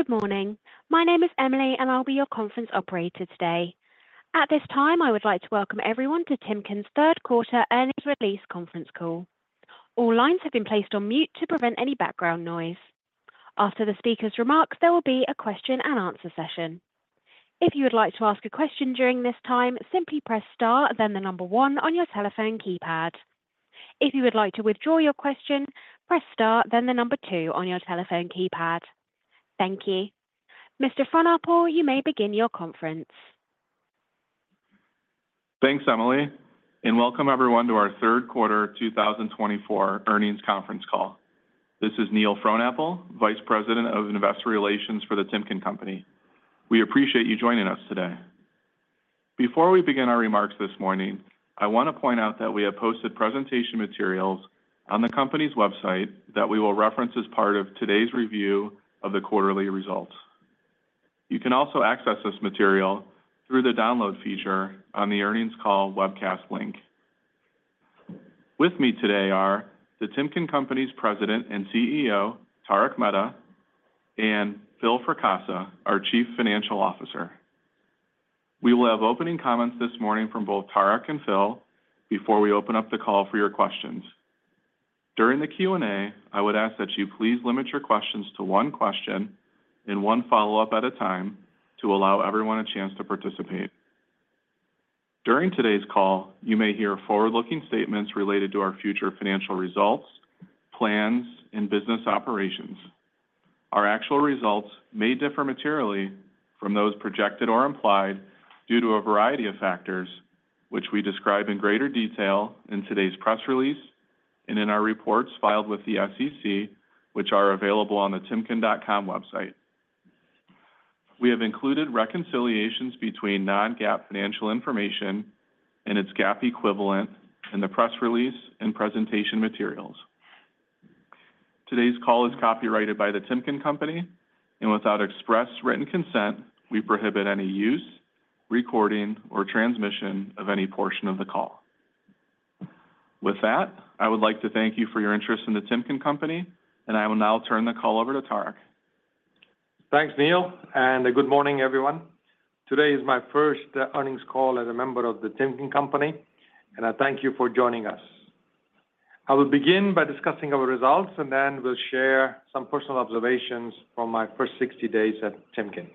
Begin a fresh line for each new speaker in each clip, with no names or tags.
Good morning. My name is Emily, and I'll beyour conference operator today. At this time, I would like to welcome everyone to Timken's third quarter earnings release conference call. All lines have been placed on mute to prevent any background noise. After the speaker's remarks, there will be a question-and-answer session. If you would like to ask a question during this time, simply press star then the number one on your telephone keypad. If you would like to withdraw your question, press star then the number two on your telephone keypad. Thank you. Mr. Frohnapple, you may begin your conference.
Thanks, Emily, and welcome everyone to our third quarter 2024 earnings conference call. This is Neil Frohnapple, Vice President of Investor Relations for The Timken Company. We appreciate you joining us today. Before we begin our remarks this morning, I want to point out that we have posted presentation materials on the company's website that we will reference as part of today's review of the quarterly results. You can also access this material through the download feature on the earnings call webcast link. With me today are The Timken Company's President and CEO, Tarak Mehta, and Phil Fracassa, our Chief Financial Officer. We will have opening comments this morning from both Tarak and Phil before we open up the call for your questions. During the Q&A, I would ask that you please limit your questions to one question and one follow-up at a time to allow everyone a chance to participate. During today's call, you may hear forward-looking statements related to our future financial results, plans, and business operations. Our actual results may differ materially from those projected or implied due to a variety of factors, which we describe in greater detail in today's press release and in our reports filed with the SEC, which are available on the timken.com website. We have included reconciliations between non-GAAP financial information and its GAAP equivalent in the press release and presentation materials. Today's call is copyrighted by The Timken Company, and without express written consent, we prohibit any use, recording, or transmission of any portion of the call. With that, I would like to thank you for your interest in The Timken Company, and I will now turn the call over to Tarak.
Thanks, Neil, and good morning, everyone. Today is my first earnings call as a member of The Timken Company, and I thank you for joining us. I will begin by discussing our results, and then we'll share some personal observations from my first 60 days at Timken.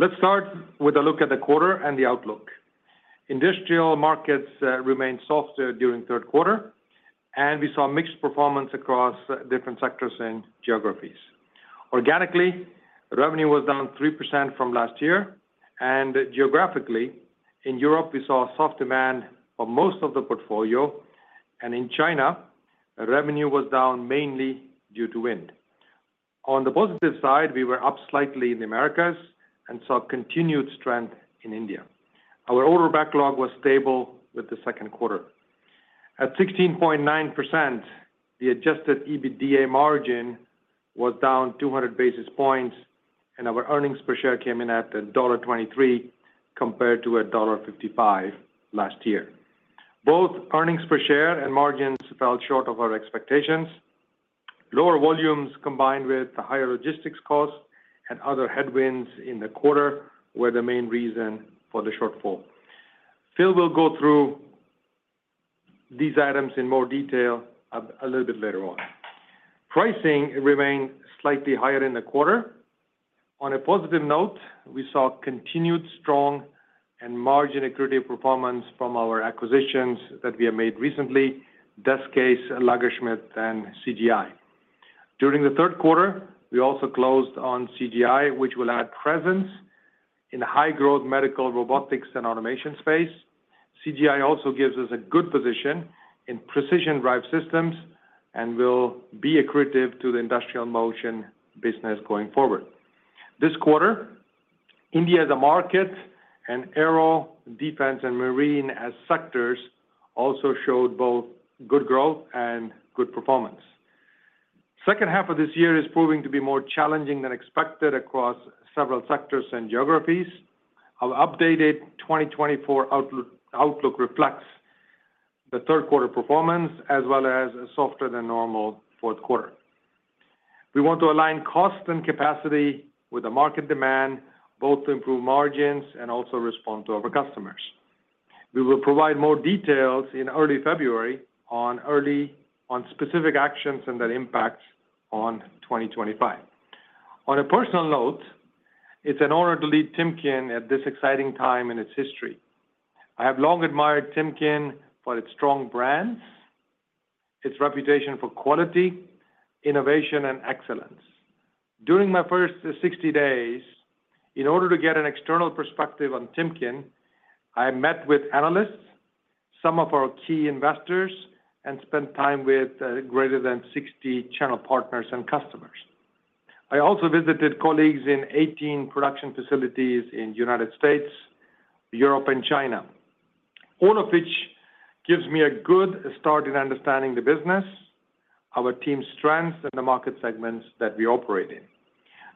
Let's start with a look at the quarter and the outlook. Industrial markets remained soft during the third quarter, and we saw mixed performance across different sectors and geographies. Organically, revenue was down 3% from last year, and geographically, in Europe, we saw soft demand for most of the portfolio, and in China, revenue was down mainly due to wind. On the positive side, we were up slightly in the Americas and saw continued strength in India. Our order backlog was stable with the second quarter. At 16.9%, the adjusted EBITDA margin was down 200 basis points, and our earnings per share came in at $1.23 compared to $1.55 last year. Both earnings per share and margins fell short of our expectations. Lower volumes combined with the higher logistics costs and other headwinds in the quarter were the main reason for the shortfall. Phil will go through these items in more detail a little bit later on. Pricing remained slightly higher in the quarter. On a positive note, we saw continued strong and margin-accretive performance from our acquisitions that we have made recently, Des-Case, Lagersmit, and CGI. During the third quarter, we also closed on CGI, which will add presence in the high-growth medical robotics and automation space. CGI also gives us a good position in precision-drive systems and will be accretive to the Industrial Motion business going forward. This quarter, India as a market and aero defense and marine as sectors also showed both good growth and good performance. The second half of this year is proving to be more challenging than expected across several sectors and geographies. Our updated 2024 outlook reflects the third quarter performance as well as a softer-than-normal fourth quarter. We want to align cost and capacity with the market demand both to improve margins and also respond to our customers. We will provide more details in early February on specific actions and their impacts on 2025. On a personal note, it's an honor to lead Timken at this exciting time in its history. I have long admired Timken for its strong brands, its reputation for quality, innovation, and excellence. During my first 60 days, in order to get an external perspective on Timken, I met with analysts, some of our key investors, and spent time with greater than 60 channel partners and customers. I also visited colleagues in 18 production facilities in the United States, Europe, and China, all of which gives me a good start in understanding the business, our team's strengths, and the market segments that we operate in.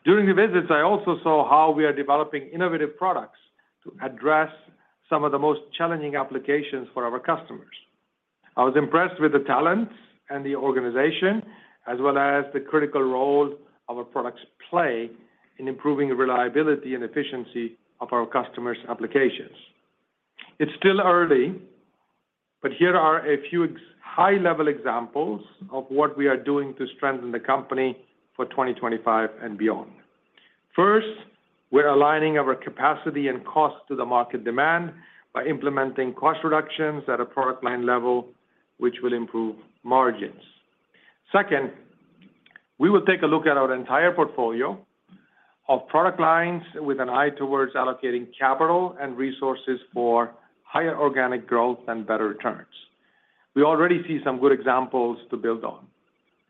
During the visits, I also saw how we are developing innovative products to address some of the most challenging applications for our customers. I was impressed with the talents and the organization, as well as the critical role our products play in improving reliability and efficiency of our customers' applications. It's still early, but here are a few high-level examples of what we are doing to strengthen the company for 2025 and beyond. First, we're aligning our capacity and cost to the market demand by implementing cost reductions at a product line level, which will improve margins. Second, we will take a look at our entire portfolio of product lines with an eye towards allocating capital and resources for higher organic growth and better returns. We already see some good examples to build on.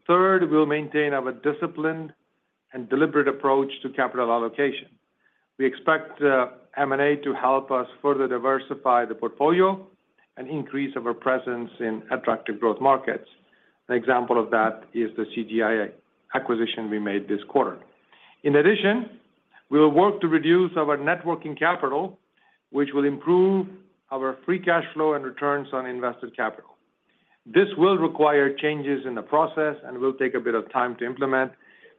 Third, we'll maintain our disciplined and deliberate approach to capital allocation. We expect M&A to help us further diversify the portfolio and increase our presence in attractive growth markets. An example of that is the CGI acquisition we made this quarter. In addition, we will work to reduce our net working capital, which will improve our free cash flow and returns on invested capital. This will require changes in the process and will take a bit of time to implement,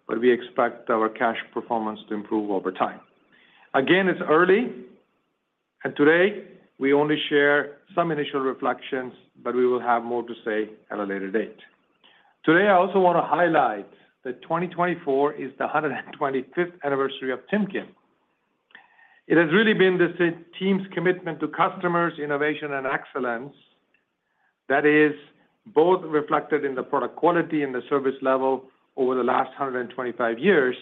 but we expect our cash performance to improve over time. Again, it's early, and today we only share some initial reflections, but we will have more to say at a later date. Today, I also want to highlight that 2024 is the 125th anniversary of Timken. It has really been the team's commitment to customers, innovation, and excellence that is both reflected in the product quality and the service level over the last 125 years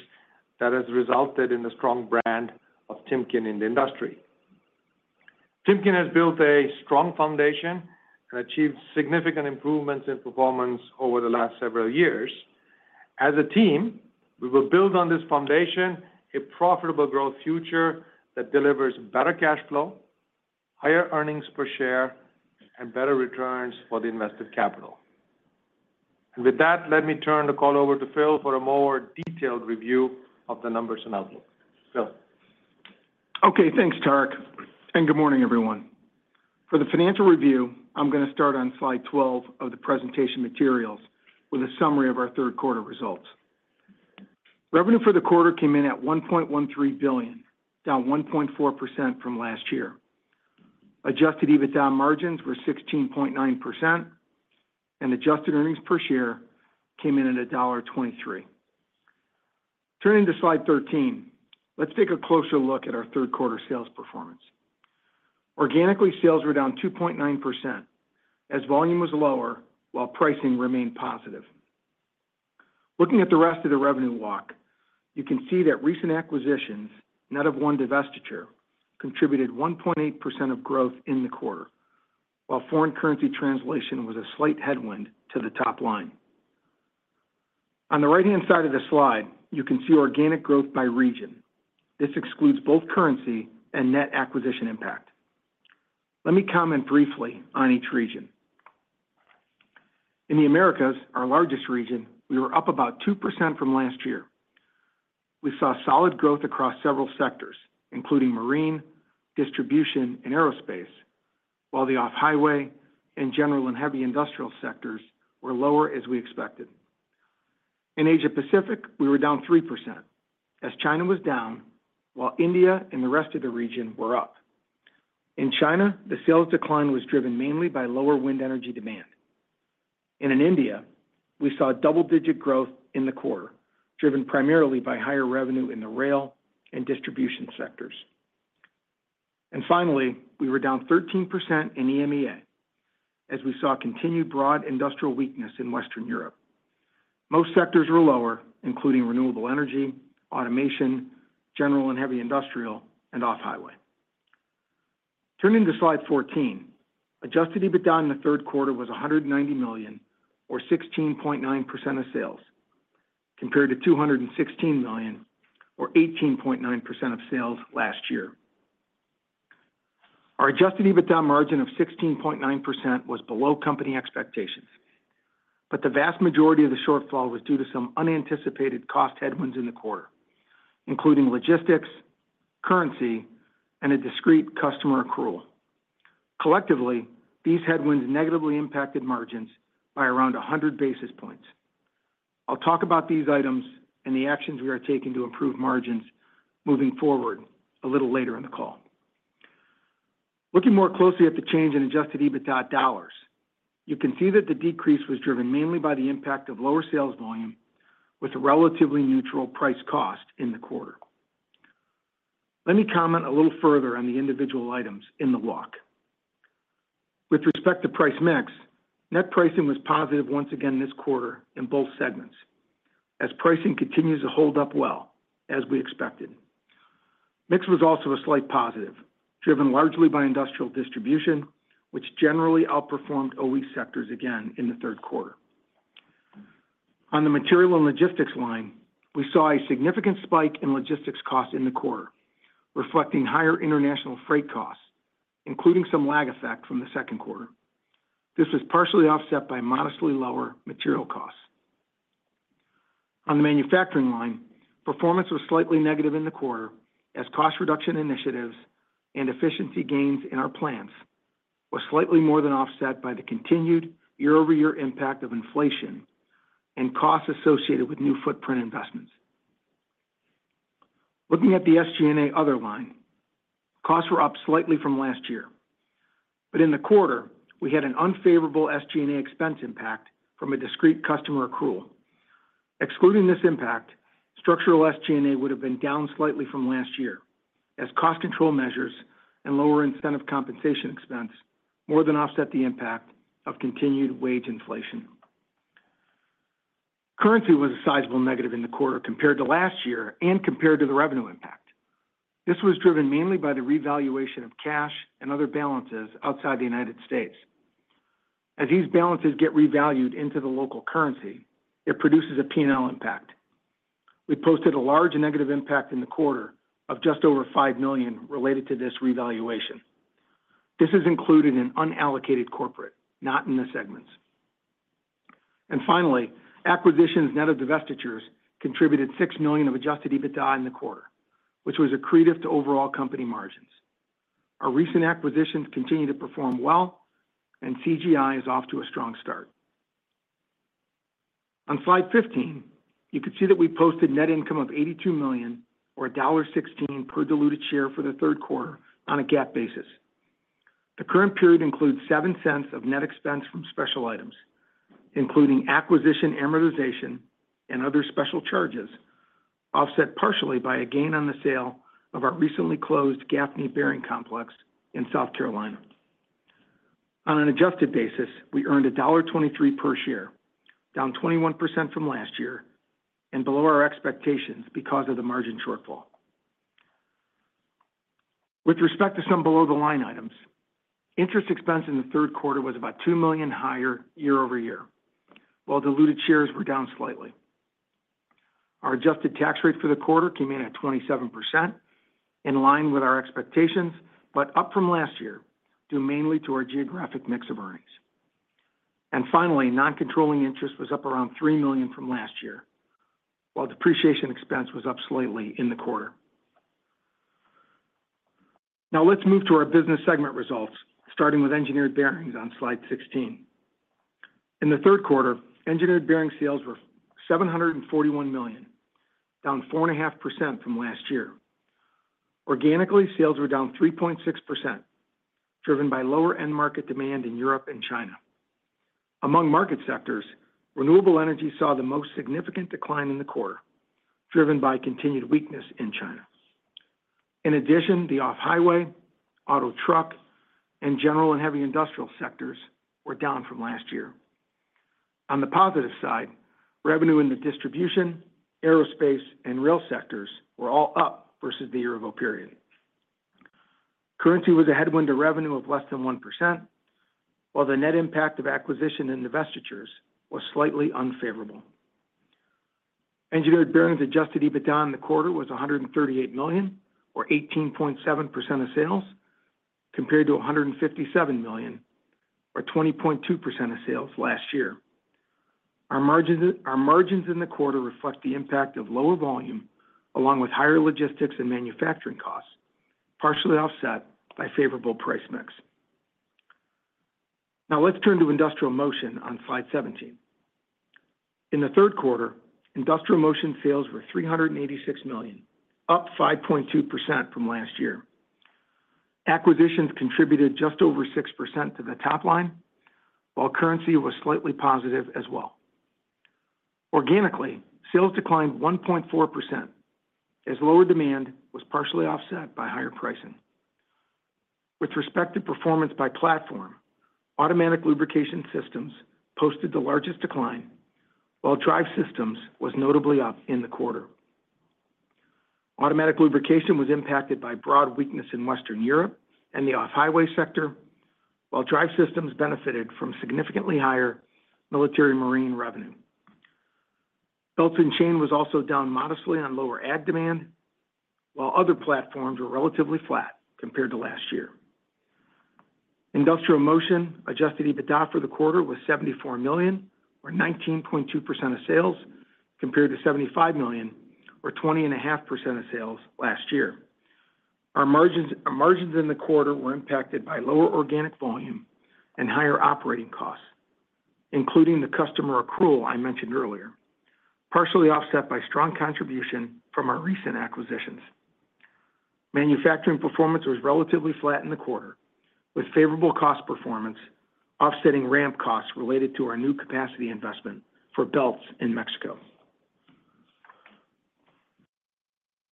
that has resulted in the strong brand of Timken in the industry. Timken has built a strong foundation and achieved significant improvements in performance over the last several years. As a team, we will build on this foundation, a profitable growth future that delivers better cash flow, higher earnings per share, and better returns for the invested capital. And with that, let me turn the call over to Phil for a more detailed review of the numbers and outlook. Phil.
Okay, thanks, Tarak. And good morning, everyone. For the financial review, I'm going to start on slide 12 of the presentation materials with a summary of our third quarter results. Revenue for the quarter came in at $1.13 billion, down 1.4% from last year. Adjusted EBITDA margins were 16.9%, and adjusted earnings per share came in at $1.23. Turning to slide 13, let's take a closer look at our third quarter sales performance. Organically, sales were down 2.9% as volume was lower while pricing remained positive. Looking at the rest of the revenue walk, you can see that recent acquisitions, net of one divestiture, contributed 1.8% of growth in the quarter, while foreign currency translation was a slight headwind to the top line. On the right-hand side of the slide, you can see organic growth by region. This excludes both currency and net acquisition impact. Let me comment briefly on each region. In the Americas, our largest region, we were up about 2% from last year. We saw solid growth across several sectors, including marine, distribution, and aerospace, while the off-highway and general and heavy industrial sectors were lower as we expected. In Asia-Pacific, we were down 3% as China was down, while India and the rest of the region were up. In China, the sales decline was driven mainly by lower wind energy demand. In India, we saw double-digit growth in the quarter, driven primarily by higher revenue in the rail and distribution sectors. Finally, we were down 13% in EMEA as we saw continued broad industrial weakness in Western Europe. Most sectors were lower, including renewable energy, automation, general and heavy industrial, and off-highway. Turning to slide 14, Adjusted EBITDA in the third quarter was $190 million, or 16.9% of sales, compared to $216 million, or 18.9% of sales last year. Our Adjusted EBITDA margin of 16.9% was below company expectations, but the vast majority of the shortfall was due to some unanticipated cost headwinds in the quarter, including logistics, currency, and a discrete customer accrual. Collectively, these headwinds negatively impacted margins by around 100 basis points. I'll talk about these items and the actions we are taking to improve margins moving forward a little later in the call. Looking more closely at the change in Adjusted EBITDA dollars, you can see that the decrease was driven mainly by the impact of lower sales volume with a relatively neutral price cost in the quarter. Let me comment a little further on the individual items in the walk. With respect to price mix, net pricing was positive once again this quarter in both segments as pricing continues to hold up well as we expected. Mix was also a slight positive, driven largely by industrial distribution, which generally outperformed OE sectors again in the third quarter. On the material and logistics line, we saw a significant spike in logistics costs in the quarter, reflecting higher international freight costs, including some lag effect from the second quarter. This was partially offset by modestly lower material costs. On the manufacturing line, performance was slightly negative in the quarter as cost reduction initiatives and efficiency gains in our plants were slightly more than offset by the continued year-over-year impact of inflation and costs associated with new footprint investments. Looking at the SG&A other line, costs were up slightly from last year, but in the quarter, we had an unfavorable SG&A expense impact from a discrete customer accrual. Excluding this impact, structural SG&A would have been down slightly from last year as cost control measures and lower incentive compensation expense more than offset the impact of continued wage inflation. Currency was a sizable negative in the quarter compared to last year and compared to the revenue impact. This was driven mainly by the revaluation of cash and other balances outside the United States. As these balances get revalued into the local currency, it produces a P&L impact. We posted a large negative impact in the quarter of just over $5 million related to this revaluation. This is included in unallocated corporate, not in the segments. Finally, acquisitions net of divestitures contributed $6 million of adjusted EBITDA in the quarter, which was accretive to overall company margins. Our recent acquisitions continue to perform well, and CGI is off to a strong start. On slide 15, you can see that we posted net income of $82 million, or $1.16 per diluted share for the third quarter on a GAAP basis. The current period includes $0.07 of net expense from special items, including acquisition amortization and other special charges, offset partially by a gain on the sale of our recently closed Gaffney Bearing Complex in South Carolina. On an adjusted basis, we earned $1.23 per share, down 21% from last year and below our expectations because of the margin shortfall. With respect to some below-the-line items, interest expense in the third quarter was about $2 million higher year-over-year, while diluted shares were down slightly. Our adjusted tax rate for the quarter came in at 27%, in line with our expectations, but up from last year due mainly to our geographic mix of earnings. And finally, non-controlling interest was up around $3 million from last year, while depreciation expense was up slightly in the quarter. Now let's move to our business segment results, starting with Engineered Bearings on slide 16. In the third quarter, Engineered Bearings sales were $741 million, down 4.5% from last year. Organically, sales were down 3.6%, driven by lower end market demand in Europe and China. Among market sectors, renewable energy saw the most significant decline in the quarter, driven by continued weakness in China. In addition, the off-highway, auto truck, and general and heavy industrial sectors were down from last year. On the positive side, revenue in the distribution, aerospace, and rail sectors were all up versus the year-ago period. Currency was a headwind to revenue of less than 1%, while the net impact of acquisition and divestitures was slightly unfavorable. Engineered Bearings Adjusted EBITDA in the quarter was $138 million, or 18.7% of sales, compared to $157 million, or 20.2% of sales last year. Our margins in the quarter reflect the impact of lower volume along with higher logistics and manufacturing costs, partially offset by favorable price mix. Now let's turn to Industrial Motion on slide 17. In the third quarter, Industrial Motion sales were $386 million, up 5.2% from last year. Acquisitions contributed just over 6% to the top line, while currency was slightly positive as well. Organically, sales declined 1.4% as lower demand was partially offset by higher pricing. With respect to performance by platform, Automatic Lubrication Systems posted the largest decline, while Drive Systems was notably up in the quarter. Automatic Lubrication was impacted by broad weakness in Western Europe and the off-highway sector, while Drive Systems benefited from significantly higher military marine revenue. Belts & Chain was also down modestly on lower ag demand, while other platforms were relatively flat compared to last year. Industrial Motion adjusted EBITDA for the quarter was $74 million, or 19.2% of sales, compared to $75 million, or 20.5% of sales last year. Our margins in the quarter were impacted by lower organic volume and higher operating costs, including the customer accrual I mentioned earlier, partially offset by strong contribution from our recent acquisitions. Manufacturing performance was relatively flat in the quarter, with favorable cost performance offsetting ramp costs related to our new capacity investment for belts in Mexico.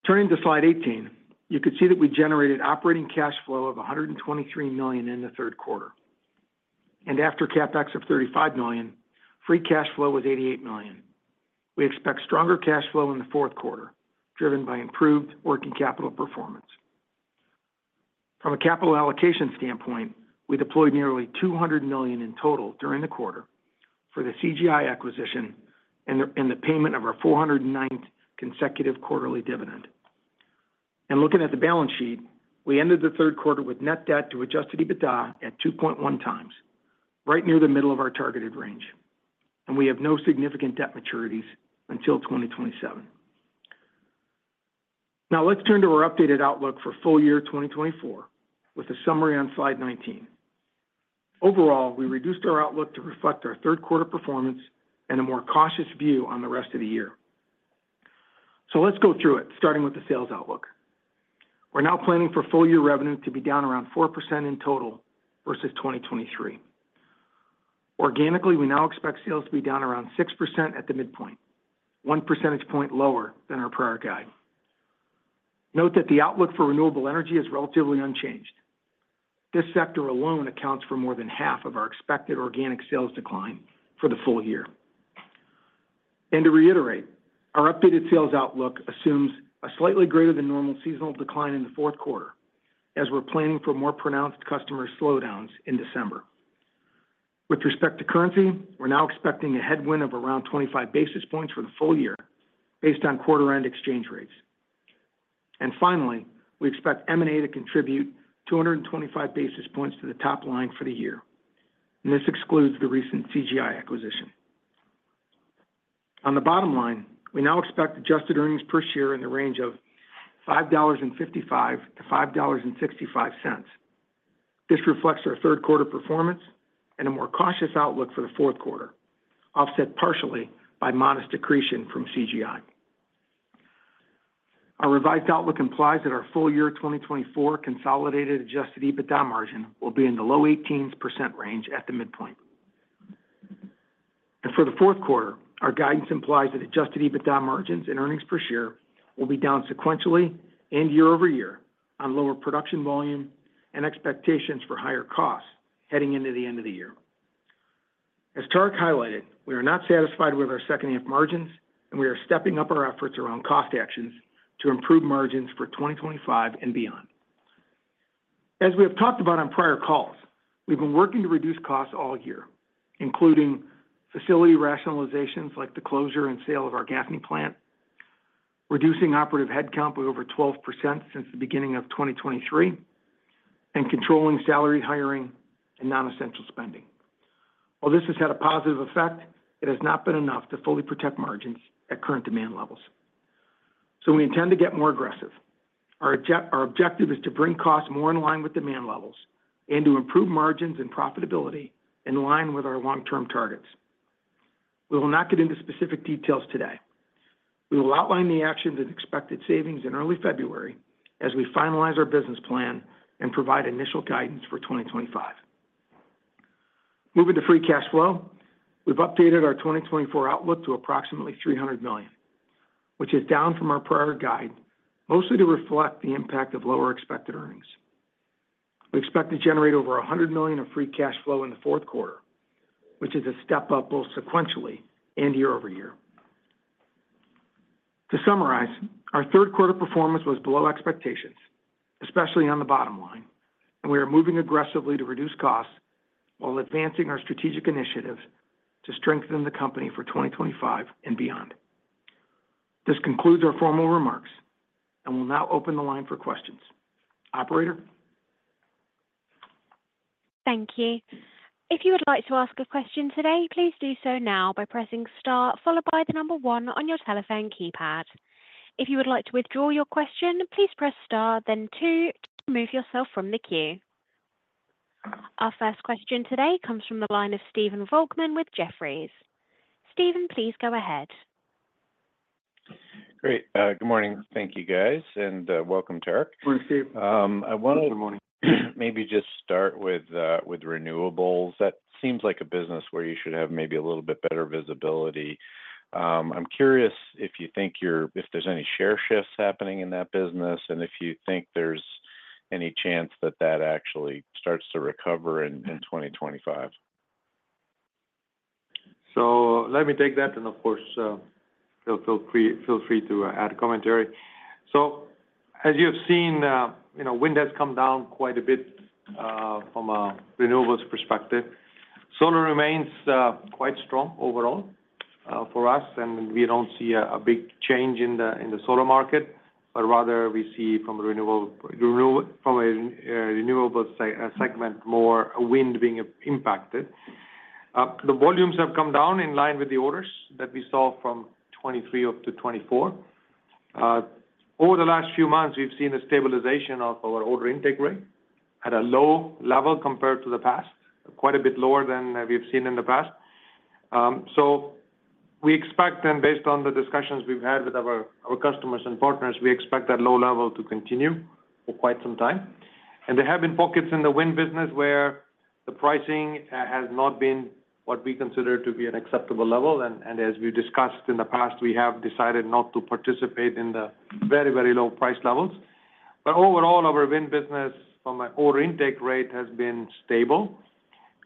Turning to slide 18, you can see that we generated operating cash flow of $123 million in the third quarter. After CapEx of $35 million, free cash flow was $88 million. We expect stronger cash flow in the fourth quarter, driven by improved working capital performance. From a capital allocation standpoint, we deployed nearly $200 million in total during the quarter for the CGI acquisition and the payment of our 409th consecutive quarterly dividend. Looking at the balance sheet, we ended the third quarter with net debt to Adjusted EBITDA at 2.1 times, right near the middle of our targeted range. We have no significant debt maturities until 2027. Now let's turn to our updated outlook for full year 2024 with a summary on slide 19. Overall, we reduced our outlook to reflect our third quarter performance and a more cautious view on the rest of the year. Let's go through it, starting with the sales outlook. We're now planning for full-year revenue to be down around 4% in total versus 2023. Organically, we now expect sales to be down around 6% at the midpoint, one percentage point lower than our prior guide. Note that the outlook for renewable energy is relatively unchanged. This sector alone accounts for more than half of our expected organic sales decline for the full year. And to reiterate, our updated sales outlook assumes a slightly greater than normal seasonal decline in the fourth quarter as we're planning for more pronounced customer slowdowns in December. With respect to currency, we're now expecting a headwind of around 25 basis points for the full year based on quarter-end exchange rates. And finally, we expect M&A to contribute 225 basis points to the top line for the year. And this excludes the recent CGI acquisition. On the bottom line, we now expect adjusted earnings per share in the range of $5.55-$5.65. This reflects our third quarter performance and a more cautious outlook for the fourth quarter, offset partially by modest accretion from CGI. Our revised outlook implies that our full year 2024 consolidated adjusted EBITDA margin will be in the low 18% range at the midpoint. For the fourth quarter, our guidance implies that adjusted EBITDA margins and earnings per share will be down sequentially and year-over-year on lower production volume and expectations for higher costs heading into the end of the year. As Tarak highlighted, we are not satisfied with our second-half margins, and we are stepping up our efforts around cost actions to improve margins for 2025 and beyond. As we have talked about on prior calls, we've been working to reduce costs all year, including facility rationalizations like the closure and sale of our Gaffney Plant, reducing operating headcount by over 12% since the beginning of 2023, and controlling salary hiring and non-essential spending. While this has had a positive effect, it has not been enough to fully protect margins at current demand levels. So we intend to get more aggressive. Our objective is to bring costs more in line with demand levels and to improve margins and profitability in line with our long-term targets. We will not get into specific details today. We will outline the actions and expected savings in early February as we finalize our business plan and provide initial guidance for 2025. Moving to free cash flow, we've updated our 2024 outlook to approximately $300 million, which is down from our prior guide, mostly to reflect the impact of lower expected earnings. We expect to generate over $100 million of free cash flow in the fourth quarter, which is a step up both sequentially and year-over-year. To summarize, our third quarter performance was below expectations, especially on the bottom line, and we are moving aggressively to reduce costs while advancing our strategic initiatives to strengthen the company for 2025 and beyond. This concludes our formal remarks and will now open the line for questions. Operator.
Thank you. If you would like to ask a question today, please do so now by pressing star, followed by the number one on your telephone keypad. If you would like to withdraw your question, please press star, then two to remove yourself from the queue. Our first question today comes from the line of Stephen Volkmann with Jefferies. Stephen, please go ahead.
Great. Good morning. Thank you, guys. And welcome, Tarak. I want to maybe just start with renewables. That seems like a business where you should have maybe a little bit better visibility. I'm curious if you think there's any share shifts happening in that business and if you think there's any chance that that actually starts to recover in 2025.
So let me take that, and of course, feel free to add commentary. So as you have seen, wind has come down quite a bit from a renewables perspective. Solar remains quite strong overall for us, and we don't see a big change in the solar market, but rather we see from a renewable segment more wind being impacted. The volumes have come down in line with the orders that we saw from 2023 up to 2024. Over the last few months, we've seen a stabilization of our order intake rate at a low level compared to the past, quite a bit lower than we've seen in the past. So we expect, and based on the discussions we've had with our customers and partners, we expect that low level to continue for quite some time. And there have been pockets in the wind business where the pricing has not been what we consider to be an acceptable level. And as we've discussed in the past, we have decided not to participate in the very, very low price levels. But overall, our wind business from an order intake rate has been stable.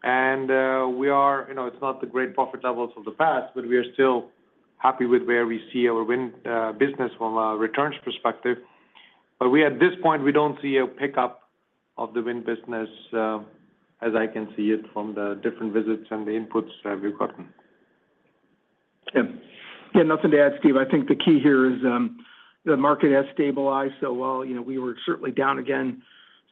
And it's not the great profit levels of the past, but we are still happy with where we see our wind business from a returns perspective. But at this point, we don't see a pickup of the wind business as I can see it from the different visits and the inputs that we've gotten.
Yeah. Yeah, nothing to add, Steve. I think the key here is the market has stabilized so well. We were certainly down again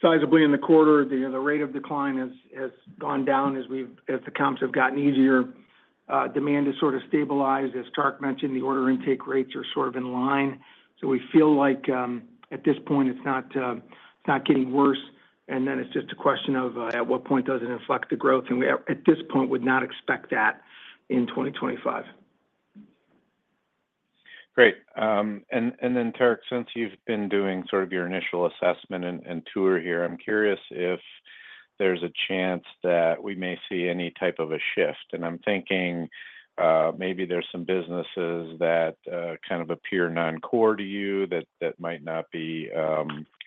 sizably in the quarter. The rate of decline has gone down as the comps have gotten easier. Demand has sort of stabilized. As Tarak mentioned, the order intake rates are sort of in line. So we feel like at this point, it's not getting worse. And then it's just a question of at what point does it inflect the growth. And we at this point would not expect that in 2025.
Great. And then, Tarak, since you've been doing sort of your initial assessment and tour here, I'm curious if there's a chance that we may see any type of a shift. And I'm thinking maybe there's some businesses that kind of appear non-core to you that might not be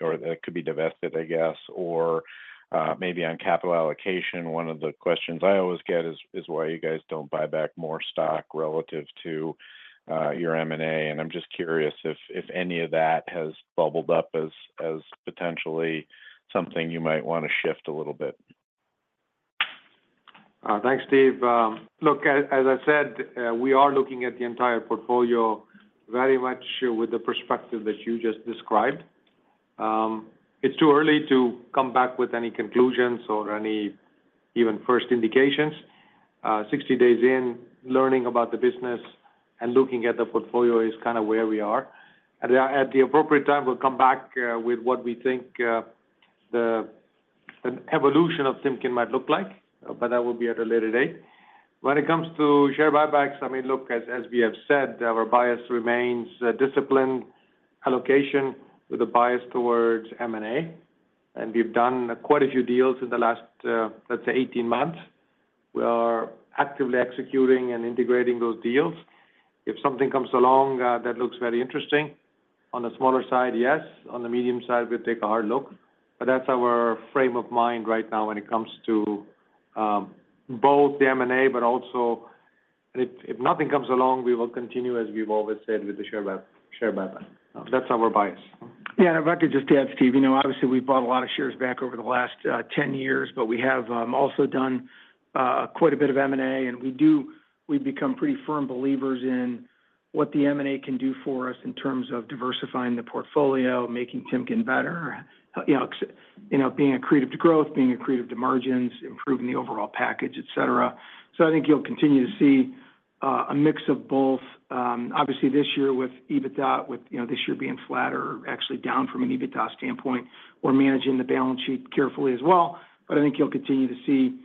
or that could be divested, I guess, or maybe on capital allocation. One of the questions I always get is why you guys don't buy back more stock relative to your M&A. And I'm just curious if any of that has bubbled up as potentially something you might want to shift a little bit.
Thanks, Stephen. Look, as I said, we are looking at the entire portfolio very much with the perspective that you just described. It's too early to come back with any conclusions or any even first indications. 60 days in, learning about the business and looking at the portfolio is kind of where we are. At the appropriate time, we'll come back with what we think the evolution of Timken might look like, but that will be at a later date. When it comes to share buybacks, I mean, look, as we have said, our bias remains disciplined allocation with a bias towards M&A, and we've done quite a few deals in the last, let's say, 18 months. We are actively executing and integrating those deals. If something comes along that looks very interesting on the smaller side, yes. On the medium side, we'll take a hard look, but that's our frame of mind right now when it comes to both the M&A, but also, if nothing comes along, we will continue, as we've always said, with the share buyback. That's our bias.
Yeah. And if I could just add, Stephen, obviously we've bought a lot of shares back over the last 10 years, but we have also done quite a bit of M&A. And we become pretty firm believers in what the M&A can do for us in terms of diversifying the portfolio, making Timken better, being accretive to growth, being accretive to margins, improving the overall package, etc. So I think you'll continue to see a mix of both. Obviously, this year with EBITDA, with this year being flat or actually down from an EBITDA standpoint, we're managing the balance sheet carefully as well. But I think you'll continue to see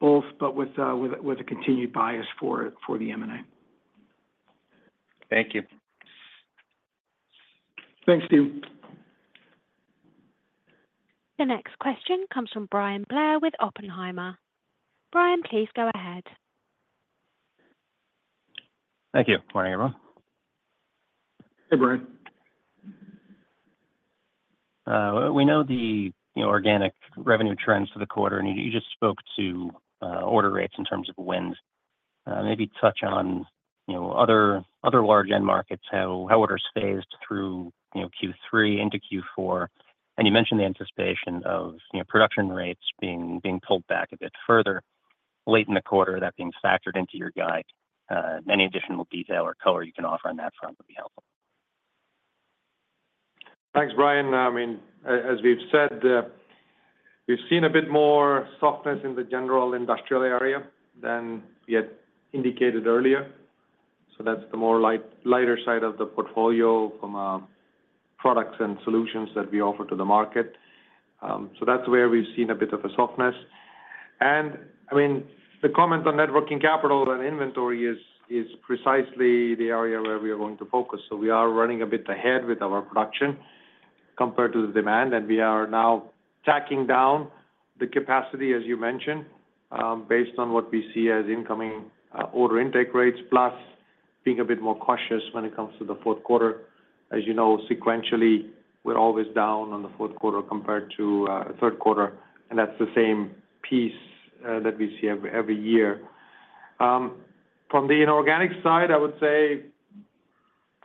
both, but with a continued bias for the M&A.
Thank you.
Thanks, Stephen.
The next question comes from Bryan Blair with Oppenheimer. Bryan, please go ahead.
Thank you. Morning, everyone.
Hey, Bryan.
We know the organic revenue trends for the quarter, and you just spoke to order rates in terms of wind. Maybe touch on other large end markets, how orders phased through Q3 into Q4. You mentioned the anticipation of production rates being pulled back a bit further late in the quarter, that being factored into your guide. Any additional detail or color you can offer on that front would be helpful.
Thanks, Brian. I mean, as we've said, we've seen a bit more softness in the general industrial area than we had indicated earlier. So that's the more lighter side of the portfolio from products and solutions that we offer to the market. So that's where we've seen a bit of a softness. I mean, the comment on net working capital and inventory is precisely the area where we are going to focus. So we are running a bit ahead with our production compared to the demand. And we are now taking down the capacity, as you mentioned, based on what we see as incoming order intake rates, plus being a bit more cautious when it comes to the fourth quarter. As you know, sequentially, we're always down on the fourth quarter compared to third quarter. And that's the same piece that we see every year. From the inorganic side, I would say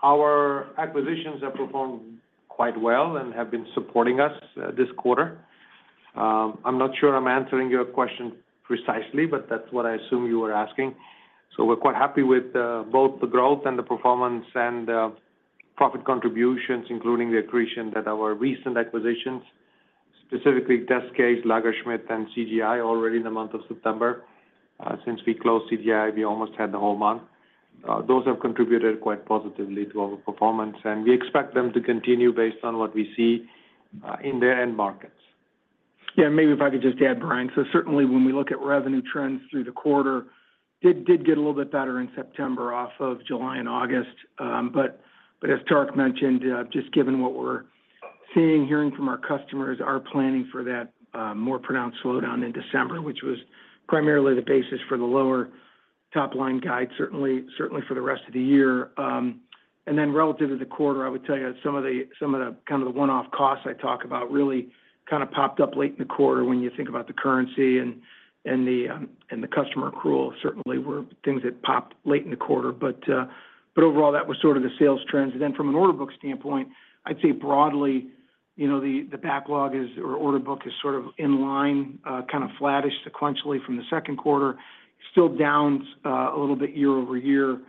our acquisitions have performed quite well and have been supporting us this quarter. I'm not sure I'm answering your question precisely, but that's what I assume you were asking. So we're quite happy with both the growth and the performance and profit contributions, including the accretion that our recent acquisitions, specifically Des-Case, Lagersmit, and CGI, already in the month of September. Since we closed CGI, we almost had the whole month. Those have contributed quite positively to our performance. We expect them to continue based on what we see in their end markets.
Yeah. Maybe if I could just add, Bryan, so certainly when we look at revenue trends through the quarter, it did get a little bit better in September off of July and August. But as Tarak mentioned, just given what we're seeing, hearing from our customers, our planning for that more pronounced slowdown in December, which was primarily the basis for the lower top line guide, certainly for the rest of the year. Then relative to the quarter, I would tell you some of the kind of the one-off costs I talk about really kind of popped up late in the quarter when you think about the currency and the customer accrual. Certainly, there were things that popped late in the quarter. But overall, that was sort of the sales trends. And then from an order book standpoint, I'd say broadly, the backlog or order book is sort of in line, kind of flattish sequentially from the second quarter. Still down a little bit year-over-year,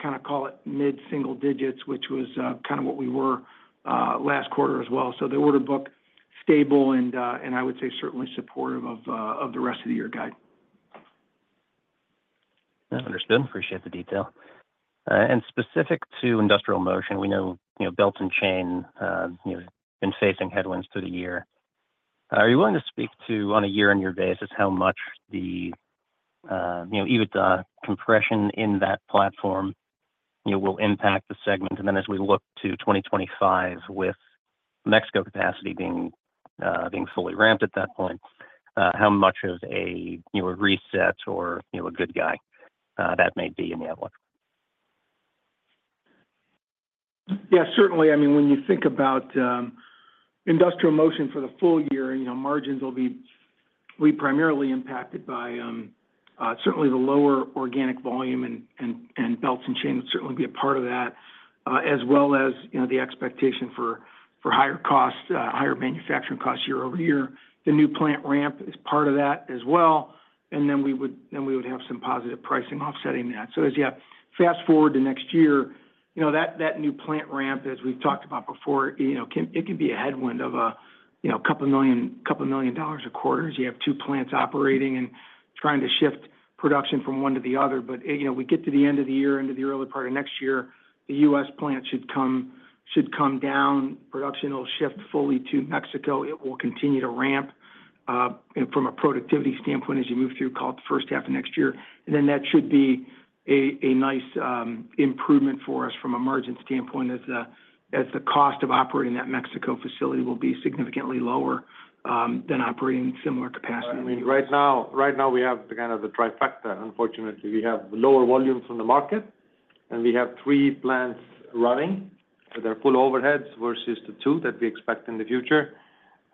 kind of call it mid-single digits, which was kind of what we were last quarter as well. So the order book stable, and I would say certainly supportive of the rest of the year guide.
Understood. Appreciate the detail. And specific to Industrial Motion, we know Belts & Chain has been facing headwinds through the year. Are you willing to speak to, on a year-on-year basis, how much the EBITDA compression in that platform will impact the segment and then as we look to 2025 with Mexico capacity being fully ramped at that point, how much of a reset or a good guy that may be in the outlook?
Yeah, certainly. I mean, when you think about Industrial Motion for the full year, margins will be primarily impacted by certainly the lower organic volume, and Belts & Chain would certainly be a part of that, as well as the expectation for higher costs, higher manufacturing costs year over-year. The new plant ramp is part of that as well. And then we would have some positive pricing offsetting that. So as you fast forward to next year, that new plant ramp, as we've talked about before, it can be a headwind of $2 million a quarter as you have two plants operating and trying to shift production from one to the other. But we get to the end of the year, into the early part of next year, the U.S. plant should come down production will shift fully to Mexico. It will continue to ramp from a productivity standpoint as you move through the first half of next year. And then that should be a nice improvement for us from a margin standpoint as the cost of operating that Mexico facility will be significantly lower than operating in similar capacity.
I mean, right now, we have kind of the trifecta. Unfortunately, we have lower volumes in the market, and we have three plants running with their full overheads versus the two that we expect in the future.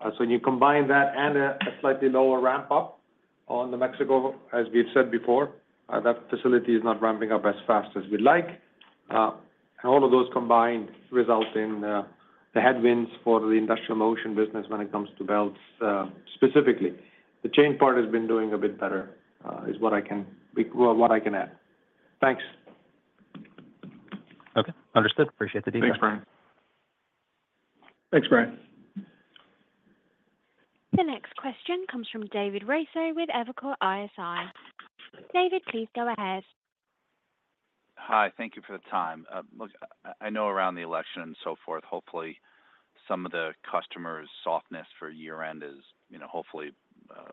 So when you combine that and a slightly lower ramp-up on the Mexico, as we've said before, that facility is not ramping up as fast as we'd like. And all of those combined result in the headwinds for the Industrial Motion business when it comes to Belt specifically. The chain part has been doing a bit better is what I can add. Thanks.
Okay. Understood. Appreciate the detail. Thanks.
Thanks, Brian.
The next question comes from David Raso with Evercore ISI. David, please go ahead.
Hi. Thank you for the time. Look, I know around the election and so forth, hopefully, some of the customers' softness for year-end is hopefully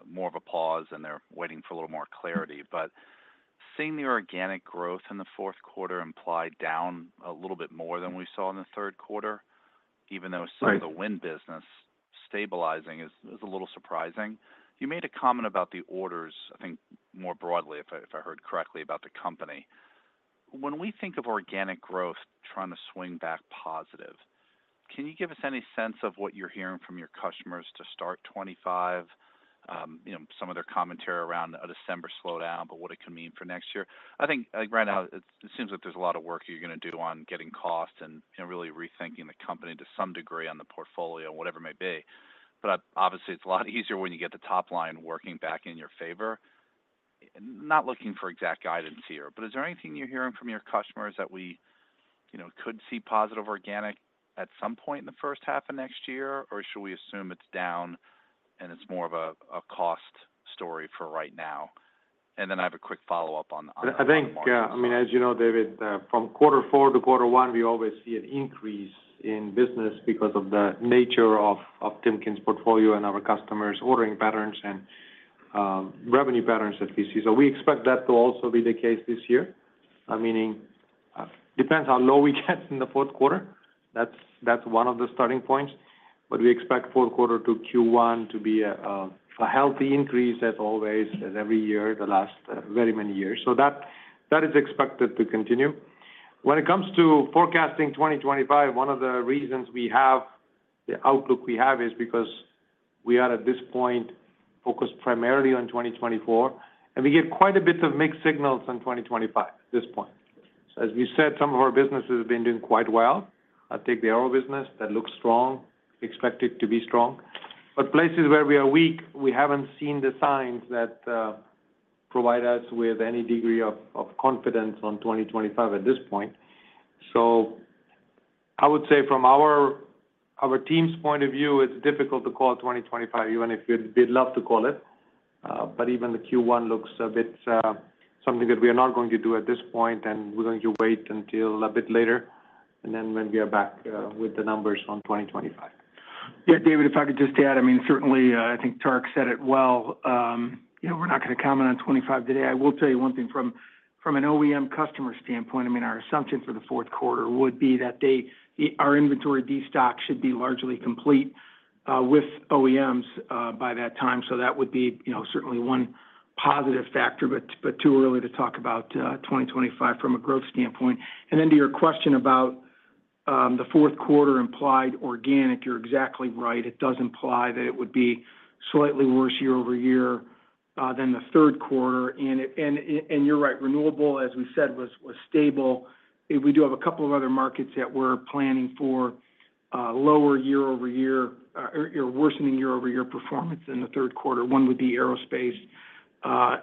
more of a pause, and they're waiting for a little more clarity. But seeing the organic growth in the fourth quarter imply down a little bit more than we saw in the third quarter, even though some of the wind business stabilizing is a little surprising. You made a comment about the orders, I think more broadly, if I heard correctly, about the company. When we think of organic growth trying to swing back positive, can you give us any sense of what you're hearing from your customers to start 2025, some of their commentary around a December slowdown, but what it can mean for next year? I think right now, it seems like there's a lot of work you're going to do on getting costs and really rethinking the company to some degree on the portfolio, whatever it may be. But obviously, it's a lot easier when you get the top line working back in your favor. Not looking for exact guidance here, but is there anything you're hearing from your customers that we could see positive organic at some point in the first half of next year, or should we assume it's down and it's more of a cost story for right now? And then I have a quick follow-up on the.
I think, I mean, as you know, David, from quarter four to quarter one, we always see an increase in business because of the nature of Timken's portfolio and our customers' ordering patterns and revenue patterns that we see. So we expect that to also be the case this year. I mean, it depends how low we get in the fourth quarter. That's one of the starting points. But we expect fourth quarter to Q1 to be a healthy increase, as always, as every year, the last very many years. So that is expected to continue. When it comes to forecasting 2025, one of the reasons we have the outlook we have is because we are at this point focused primarily on 2024. And we get quite a bit of mixed signals on 2025 at this point. As we said, some of our businesses have been doing quite well. I think the aero business, that looks strong. Expect it to be strong. But places where we are weak, we haven't seen the signs that provide us with any degree of confidence on 2025 at this point. So I would say from our team's point of view, it's difficult to call 2025, even if we'd love to call it. But even the Q1 looks a bit something that we are not going to do at this point, and we're going to wait until a bit later, and then when we are back with the numbers on 2025.
Yeah, David, if I could just add, I mean, certainly, I think Tarak said it well. We're not going to comment on 2025 today. I will tell you one thing. From an OEM customer standpoint, I mean, our assumption for the fourth quarter would be that our inventory destock should be largely complete with OEMs by that time. So that would be certainly one positive factor, but too early to talk about 2025 from a growth standpoint. And then to your question about the fourth quarter implied organic, you're exactly right. It does imply that it would be slightly worse year-over-year than the third quarter. And you're right. Renewable, as we said, was stable. We do have a couple of other markets that we're planning for lower year-over-year or worsening year-over-year performance in the third quarter. One would be aerospace.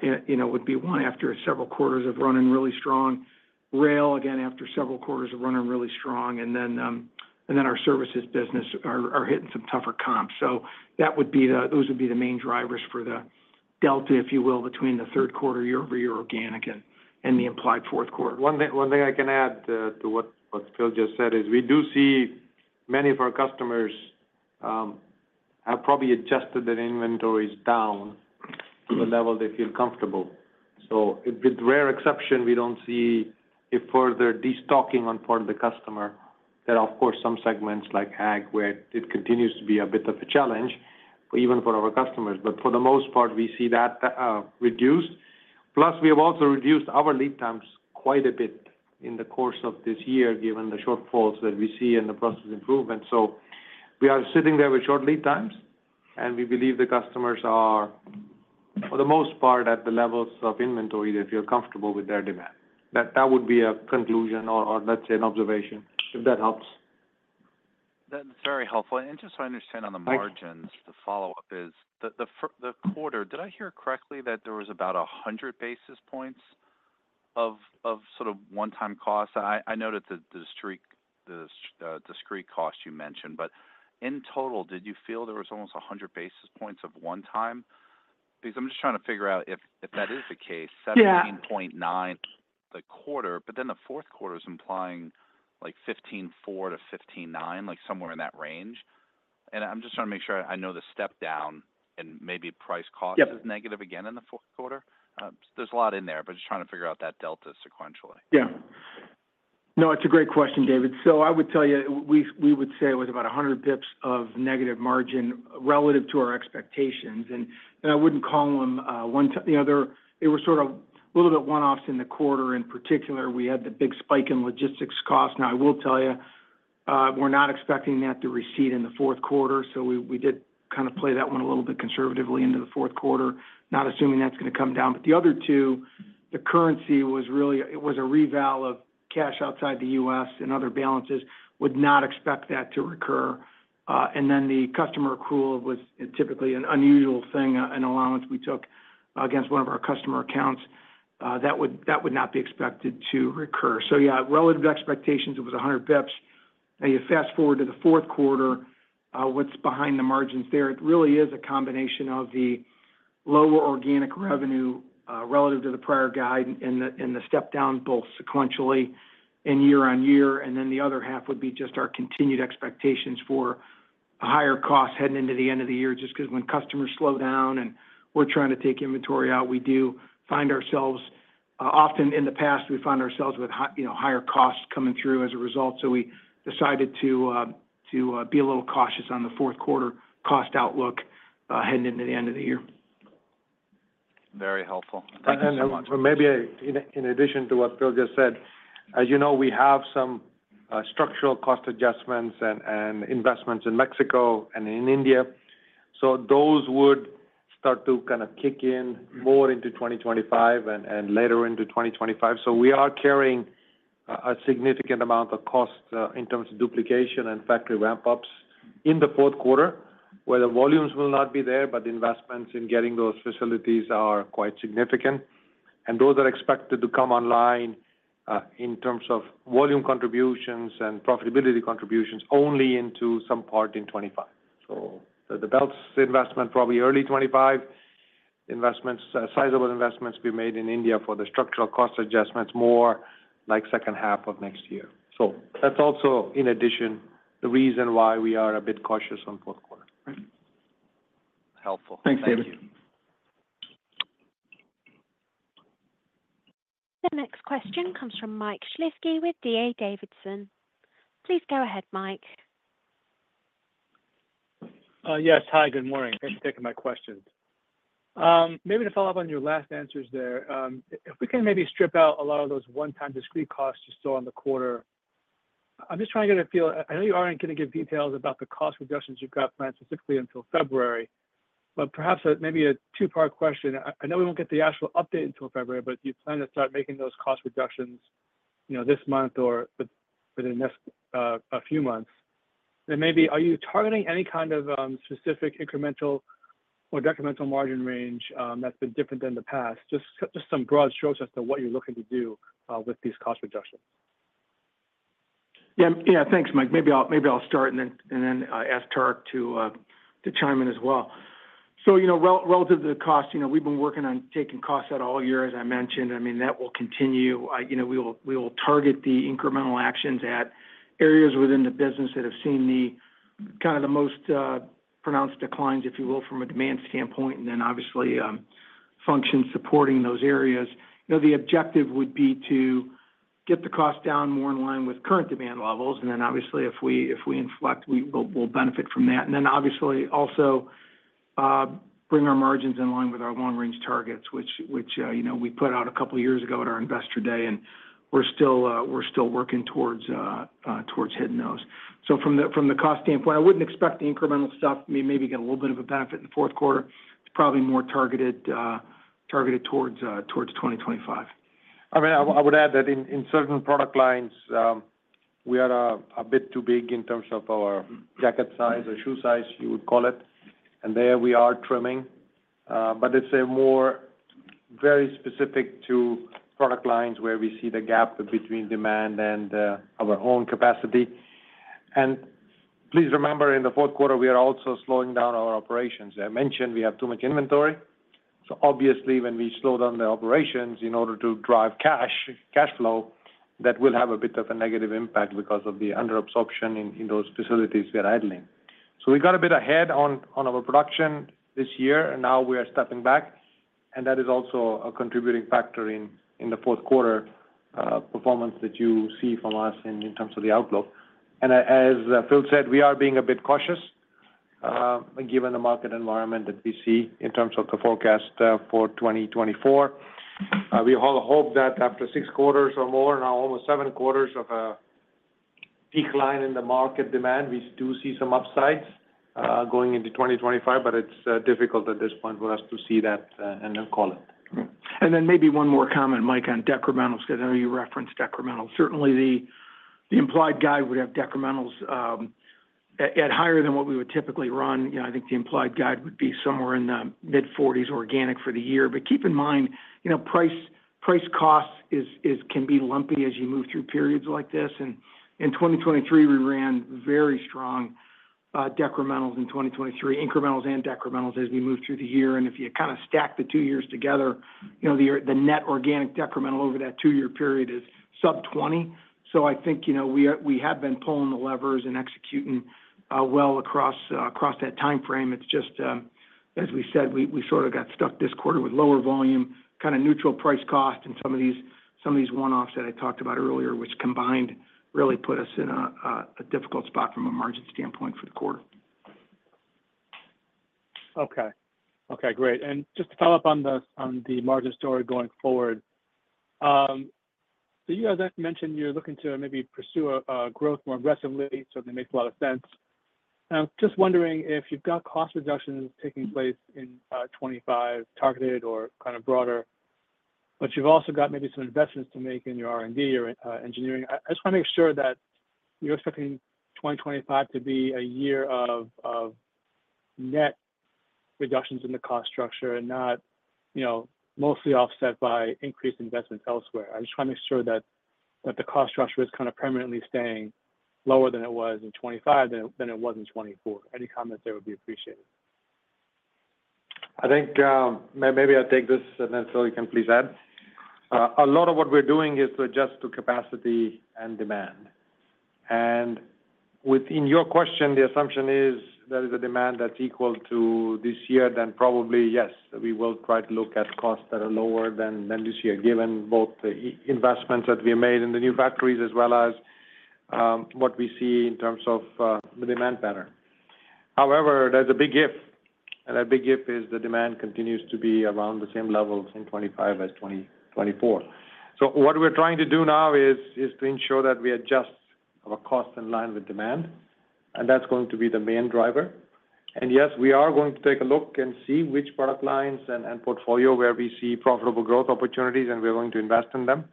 It would be one after several quarters of running really strong. Rail, again, after several quarters of running really strong. And then our services business are hitting some tougher comps. So those would be the main drivers for the delta, if you will, between the third quarter year-over-year organic and the implied fourth quarter.
One thing I can add to what Phil just said is we do see many of our customers have probably adjusted their inventories down to the level they feel comfortable. So with rare exception, we don't see a further destocking on part of the customer. There, of course, some segments like ag, where it continues to be a bit of a challenge, even for our customers. But for the most part, we see that reduced. Plus, we have also reduced our lead times quite a bit in the course of this year, given the shortfalls that we see in the process improvement. So we are sitting there with short lead times, and we believe the customers are, for the most part, at the levels of inventory that feel comfortable with their demand. That would be a conclusion or, let's say, an observation, if that helps.
That's very helpful. And just so I understand on the margins, the follow-up is the quarter, did I hear correctly that there was about 100 basis points of sort of one-time costs? I know that the discrete costs you mentioned, but in total, did you feel there was almost 100 basis points of one-time? Because I'm just trying to figure out if that is the case, 17.9% the quarter, but then the fourth quarter is implying like 15.4%-15.9%, somewhere in that range. And I'm just trying to make sure I know the step down and maybe price cost is negative again in the fourth quarter. There's a lot in there, but just trying to figure out that delta sequentially.
Yeah. No, it's a great question, David. So I would tell you we would say it was about 100 basis points of negative margin relative to our expectations. And I wouldn't call them one-time. They were sort of a little bit one-offs in the quarter. In particular, we had the big spike in logistics costs. Now, I will tell you, we're not expecting that to recede in the fourth quarter. So we did kind of play that one a little bit conservatively into the fourth quarter, not assuming that's going to come down. But the other two, the currency was really it was a reval of cash outside the U.S. and other balances. Would not expect that to recur. And then the customer accrual was typically an unusual thing, an allowance we took against one of our customer accounts. That would not be expected to recur. So yeah, relative to expectations, it was 100 basis points. Now, you fast forward to the fourth quarter. What's behind the margins there? It really is a combination of the lower organic revenue relative to the prior guide and the step down both sequentially and year-on-year. And then the other half would be just our continued expectations for higher costs heading into the end of the year, just because when customers slow down and we're trying to take inventory out, we do find ourselves often in the past with higher costs coming through as a result. So we decided to be a little cautious on the fourth quarter cost outlook heading into the end of the year.
Very helpful. Thanks so much.
And then maybe in addition to what Phil just said, as you know, we have some structural cost adjustments and investments in Mexico and in India. So those would start to kind of kick in more into 2025 and later into 2025. So we are carrying a significant amount of cost in terms of duplication and factory ramp-ups in the fourth quarter, where the volumes will not be there, but the investments in getting those facilities are quite significant. And those are expected to come online in terms of volume contributions and profitability contributions only into some part in 2025. So the belts investment, probably early 2025, investments, sizable investments we made in India for the structural cost adjustments more like second half of next year. So that's also, in addition, the reason why we are a bit cautious on fourth quarter.
Helpful. Thank you.
Thanks, David.
The next question comes from Mike Shlisky with D.A. Davidson. Please go ahead, Mike.
Yes. Hi, good morning. Thanks for taking my questions. Maybe to follow up on your last answers there, if we can maybe strip out a lot of those one-time discrete costs you saw in the quarter, I'm just trying to get a feel. I know you aren't going to give details about the cost reductions you've got planned specifically until February, but perhaps maybe a two-part question. I know we won't get the actual update until February, but do you plan to start making those cost reductions this month or within the next few months? And maybe, are you targeting any kind of specific incremental or decremental margin range that's been different than the past? Just some broad strokes as to what you're looking to do with these cost reductions.
Yeah. Yeah. Thanks, Mike. Maybe I'll start and then ask Tarak to chime in as well, so relative to the cost, we've been working on taking costs out all year, as I mentioned. I mean, that will continue. We will target the incremental actions at areas within the business that have seen kind of the most pronounced declines, if you will, from a demand standpoint, and then obviously functions supporting those areas. The objective would be to get the cost down more in line with current demand levels, and then obviously, if we inflect, we'll benefit from that, and then obviously also bring our margins in line with our long-range targets, which we put out a couple of years ago at our investor day, and we're still working towards hitting those, so from the cost standpoint, I wouldn't expect the incremental stuff, maybe get a little bit of a benefit in the fourth quarter. It's probably more targeted towards 2025.
I mean, I would add that in certain product lines, we are a bit too big in terms of our jacket size or shoe size, you would call it, and there we are trimming, but it's very specific to product lines where we see the gap between demand and our own capacity, and please remember, in the fourth quarter, we are also slowing down our operations. I mentioned we have too much inventory, so obviously, when we slow down the operations in order to drive cash flow, that will have a bit of a negative impact because of the under absorption in those facilities we are idling, so we got a bit ahead on our production this year, and now we are stepping back. And that is also a contributing factor in the fourth quarter performance that you see from us in terms of the outlook. And as Phil said, we are being a bit cautious given the market environment that we see in terms of the forecast for 2024. We all hope that after six quarters or more, now almost seven quarters of a peak line in the market demand, we do see some upsides going into 2025, but it's difficult at this point for us to see that and then call it.
And then maybe one more comment, Mike, on decrementals. Because I know you referenced decrementals. Certainly, the implied guide would have decrementals at higher than what we would typically run. I think the implied guide would be somewhere in the mid-40s organic for the year. But keep in mind, price costs can be lumpy as you move through periods like this. And in 2023, we ran very strong decrementals in 2023, incrementals and decrementals as we moved through the year. And if you kind of stack the two years together, the net organic decremental over that two-year period is sub-20. So I think we have been pulling the levers and executing well across that time frame. It's just, as we said, we sort of got stuck this quarter with lower volume, kind of neutral price cost, and some of these one-offs that I talked about earlier, which combined really put us in a difficult spot from a margin standpoint for the quarter.
Okay. Okay. Great. And just to follow up on the margin story going forward, so you guys mentioned you're looking to maybe pursue a growth more aggressively. So that makes a lot of sense. I'm just wondering if you've got cost reductions taking place in 2025, targeted or kind of broader, but you've also got maybe some investments to make in your R&D or engineering. I just want to make sure that you're expecting 2025 to be a year of net reductions in the cost structure and not mostly offset by increased investments elsewhere. I just want to make sure that the cost structure is kind of permanently staying lower than it was in 2025 than it was in 2024. Any comments there would be appreciated.
I think maybe I'll take this, and then Phil you can please add. A lot of what we're doing is to adjust to capacity and demand. And within your question, the assumption is that if the demand that's equal to this year, then probably, yes, we will try to look at costs that are lower than this year, given both the investments that we have made in the new factories as well as what we see in terms of the demand pattern. However, there's a big if. And that big if is the demand continues to be around the same levels in 2025 as 2024. So what we're trying to do now is to ensure that we adjust our costs in line with demand. And that's going to be the main driver. And yes, we are going to take a look and see which product lines and portfolio where we see profitable growth opportunities, and we're going to invest in them.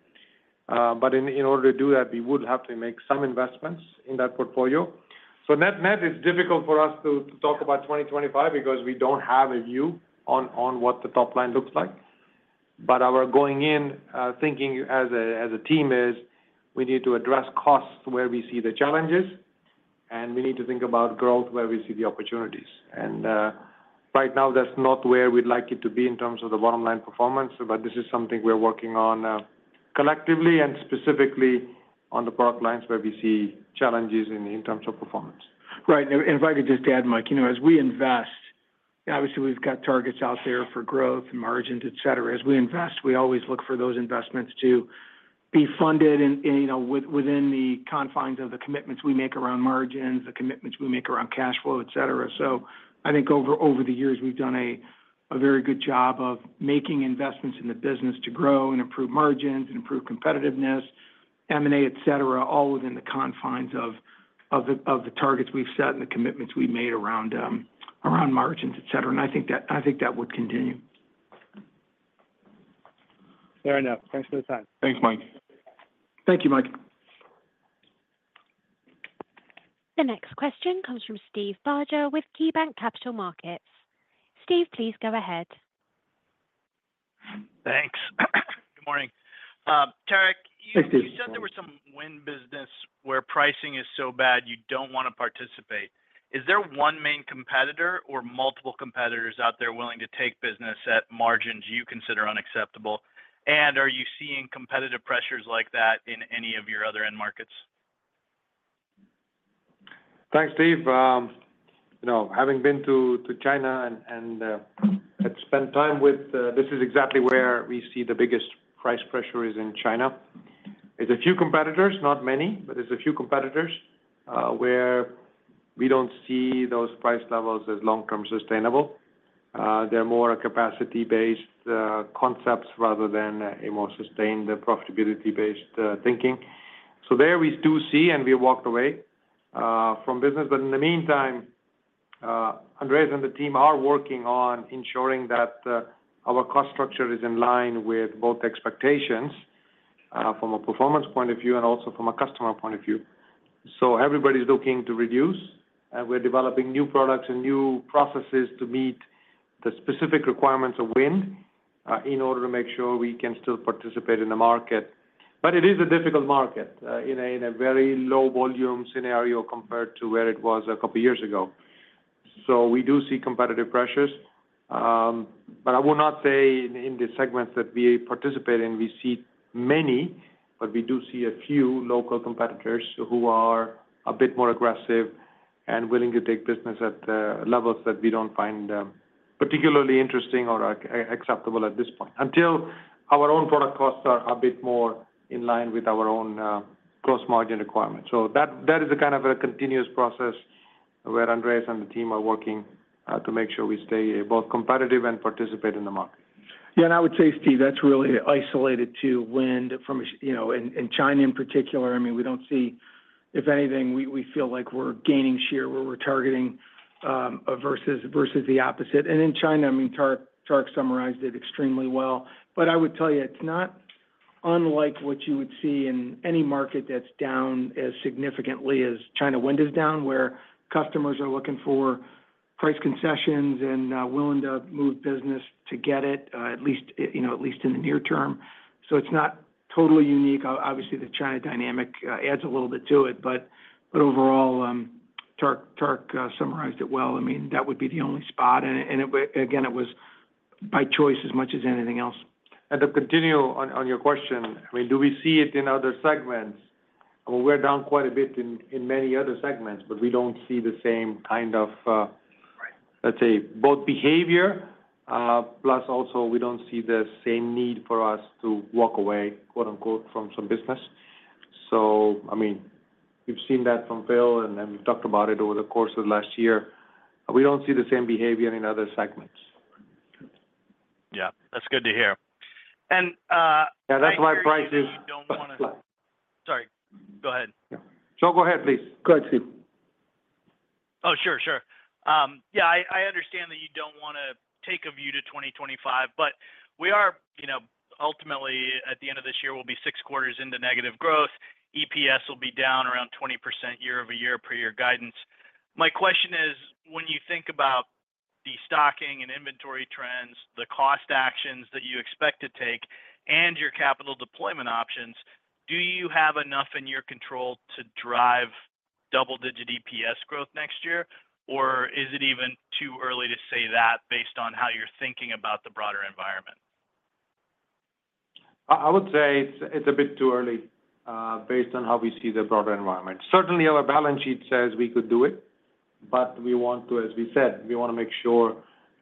But in order to do that, we would have to make some investments in that portfolio. So net-net is difficult for us to talk about 2025 because we don't have a view on what the top line looks like. But our going in thinking as a team is we need to address costs where we see the challenges, and we need to think about growth where we see the opportunities. And right now, that's not where we'd like it to be in terms of the bottom line performance, but this is something we're working on collectively and specifically on the product lines where we see challenges in terms of performance.
Right. And if I could just add, Mike, as we invest, obviously, we've got targets out there for growth and margins, etc. As we invest, we always look for those investments to be funded within the confines of the commitments we make around margins, the commitments we make around cash flow, etc. So I think over the years, we've done a very good job of making investments in the business to grow and improve margins and improve competitiveness, M&A, etc., all within the confines of the targets we've set and the commitments we've made around margins, etc. And I think that would continue.
Fair enough. Thanks for the time.
Thanks, Mike.
Thank you, Mike.
The next question comes from Steve Barger with KeyBanc Capital Markets. Steve, please go ahead.
Thanks. Good morning. Tarak, you said there was some wind business where pricing is so bad you don't want to participate. Is there one main competitor or multiple competitors out there willing to take business at margins you consider unacceptable? And are you seeing competitive pressures like that in any of your other end markets?
Thanks, Steve. Having been to China and spent time with, this is exactly where we see the biggest price pressure is in China. It's a few competitors, not many, but it's a few competitors where we don't see those price levels as long-term sustainable. They're more capacity-based concepts rather than a more sustained profitability-based thinking. So there we do see, and we walked away from business. But in the meantime, Andreas and the team are working on ensuring that our cost structure is in line with both expectations from a performance point of view and also from a customer point of view. So everybody's looking to reduce, and we're developing new products and new processes to meet the specific requirements of wind in order to make sure we can still participate in the market. But it is a difficult market in a very low-volume scenario compared to where it was a couple of years ago. So we do see competitive pressures. But I will not say in the segments that we participate in, we see many, but we do see a few local competitors who are a bit more aggressive and willing to take business at levels that we don't find particularly interesting or acceptable at this point until our own product costs are a bit more in line with our own gross margin requirements. So that is a kind of a continuous process where Andreas and the team are working to make sure we stay both competitive and participate in the market.
Yeah. And I would say, Steve, that's really isolated to wind in China in particular. I mean, we don't see, if anything, we feel like we're gaining share where we're targeting versus the opposite. And in China, I mean, Tarak summarized it extremely well. But I would tell you, it's not unlike what you would see in any market that's down as significantly as China wind is down, where customers are looking for price concessions and willing to move business to get it, at least in the near term. So it's not totally unique. Obviously, the China dynamic adds a little bit to it. But overall, Tarak summarized it well. I mean, that would be the only spot. And again, it was by choice as much as anything else.
And to continue on your question, I mean, do we see it in other segments? We're down quite a bit in many other segments, but we don't see the same kind of, let's say, both behavior, plus also we don't see the same need for us to "walk away" from some business. So I mean, we've seen that from Phil, and we've talked about it over the course of the last year. We don't see the same behavior in other segments.
Yeah. That's good to hear. And I think, sorry. Go ahead.
No, go ahead, please. Go ahead, Steve.
Oh, sure. Sure. Yeah. I understand that you don't want to take a view to 2025, but we are ultimately, at the end of this year, we'll be six quarters into negative growth. EPS will be down around 20% year-over-year per your guidance. My question is, when you think about the stocking and inventory trends, the cost actions that you expect to take, and your capital deployment options, do you have enough in your control to drive double-digit EPS growth next year, or is it even too early to say that based on how you're thinking about the broader environment?
I would say it's a bit too early based on how we see the broader environment. Certainly, our balance sheet says we could do it, but we want to, as we said, we want to make sure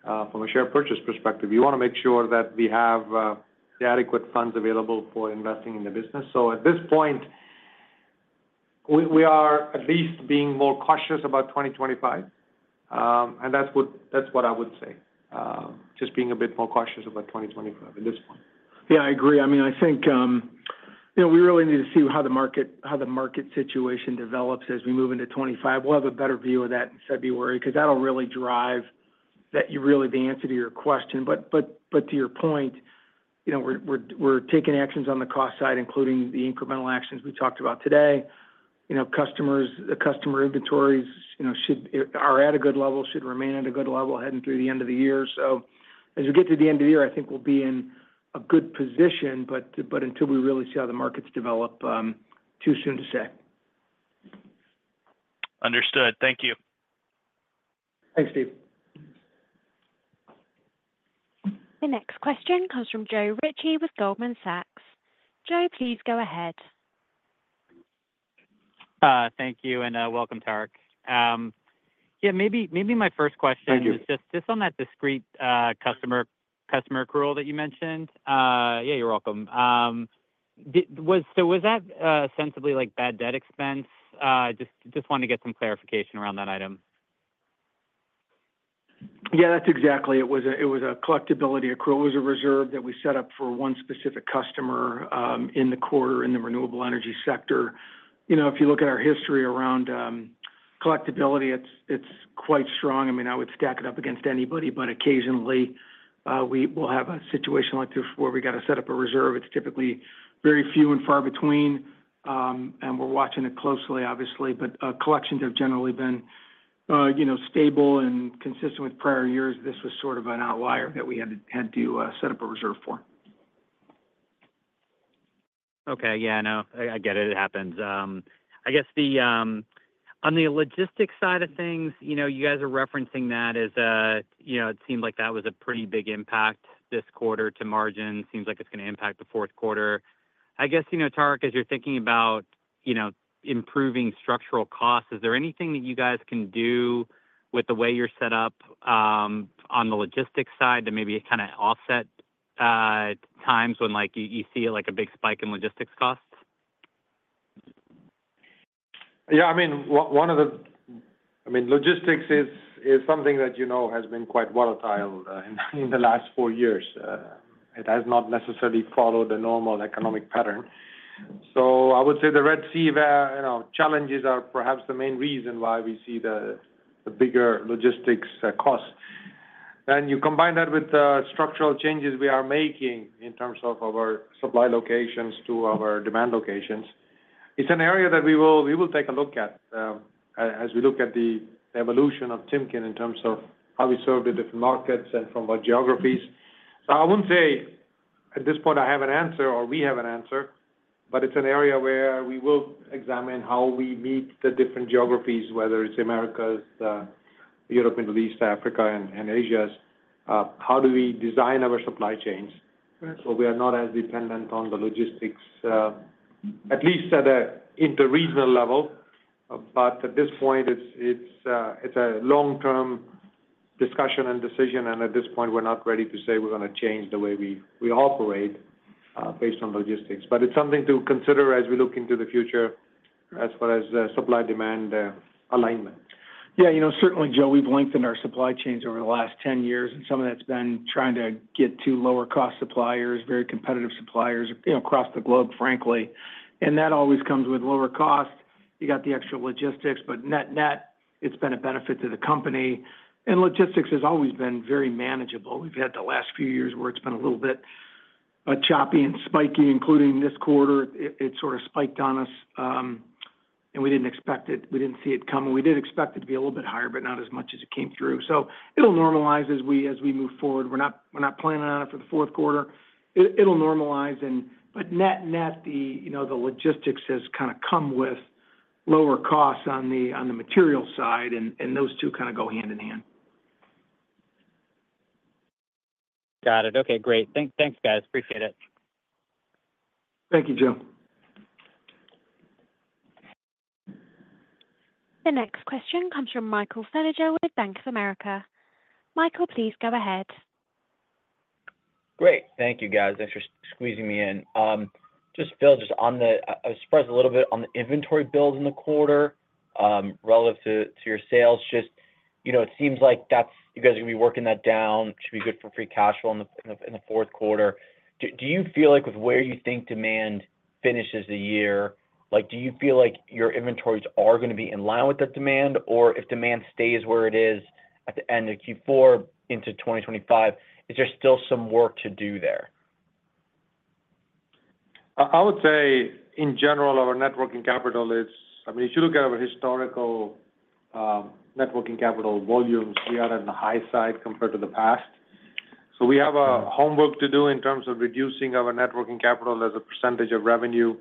from a share purchase perspective, we want to make sure that we have the adequate funds available for investing in the business. So at this point, we are at least being more cautious about 2025. And that's what I would say, just being a bit more cautious about 2025 at this point.
Yeah, I agree. I mean, I think we really need to see how the market situation develops as we move into 2025. We'll have a better view of that in February because that'll really drive that you really, the answer to your question. But to your point, we're taking actions on the cost side, including the incremental actions we talked about today. The customer inventories are at a good level, should remain at a good level heading through the end of the year. So as we get to the end of the year, I think we'll be in a good position, but until we really see how the markets develop, too soon to say.
Understood. Thank you.
Thanks, Steve.
The next question comes from Joe Ritchie with Goldman Sachs. Joe, please go ahead.
Thank you. And welcome, Tarak. Yeah. Maybe my first question is just on that discrete customer accrual that you mentioned. Yeah, you're welcome. So was that ostensibly bad debt expense? Just wanted to get some clarification around that item.
Yeah, that's exactly it. It was a collectibility accrual. It was a reserve that we set up for one specific customer in the quarter in the renewable energy sector. If you look at our history around collectibility, it's quite strong. I mean, I would stack it up against anybody, but occasionally, we'll have a situation like this where we got to set up a reserve. It's typically very few and far between, and we're watching it closely, obviously. But collections have generally been stable and consistent with prior years. This was sort of an outlier that we had to set up a reserve for.
Okay. Yeah. No, I get it. It happens. I guess on the logistics side of things, you guys are referencing that as it seemed like that was a pretty big impact this quarter to margin. Seems like it's going to impact the fourth quarter. I guess, Tarak, as you're thinking about improving structural costs, is there anything that you guys can do with the way you're set up on the logistics side to maybe kind of offset times when you see a big spike in logistics costs?
Yeah. I mean, one of the—I mean, logistics is something that has been quite volatile in the last four years. It has not necessarily followed a normal economic pattern. So I would say the Red Sea challenges are perhaps the main reason why we see the bigger logistics costs. And you combine that with the structural changes we are making in terms of our supply locations to our demand locations. It's an area that we will take a look at as we look at the evolution of Timken in terms of how we serve the different markets and from our geographies. So I wouldn't say at this point I have an answer or we have an answer, but it's an area where we will examine how we meet the different geographies, whether it's Americas, Europe, Middle East, Africa, and Asia, how do we design our supply chains so we are not as dependent on the logistics, at least at an interregional level. But at this point, it's a long-term discussion and decision, and at this point, we're not ready to say we're going to change the way we operate based on logistics. But it's something to consider as we look into the future as far as supply-demand alignment.
Yeah. Certainly, Joe, we've lengthened our supply chains over the last 10 years, and some of that's been trying to get to lower-cost suppliers, very competitive suppliers across the globe, frankly, and that always comes with lower costs. You got the extra logistics, but net-net, it's been a benefit to the company, and logistics has always been very manageable. We've had the last few years where it's been a little bit choppy and spiky, including this quarter. It sort of spiked on us, and we didn't expect it. We didn't see it come. We did expect it to be a little bit higher, but not as much as it came through, so it'll normalize as we move forward. We're not planning on it for the fourth quarter. It'll normalize. But net-net, the logistics has kind of come with lower costs on the material side, and those two kind of go hand in hand.
Got it. Okay. Great. Thanks, guys. Appreciate it.
Thank you, Joe.
The next question comes from Michael Feniger with Bank of America. Michael, please go ahead.
Great. Thank you, guys, thanks for squeezing me in. Just Phil, just on the - I was surprised a little bit on the inventory build in the quarter relative to your sales. Just it seems like you guys are going to be working that down. It should be good for free cash flow in the fourth quarter. Do you feel like with where you think demand finishes the year, do you feel like your inventories are going to be in line with that demand? Or if demand stays where it is at the end of Q4 into 2025, is there still some work to do there?
I would say, in general, our net working capital is, I mean, if you look at our historical net working capital volumes, we are on the high side compared to the past. So we have homework to do in terms of reducing our net working capital as a percentage of revenue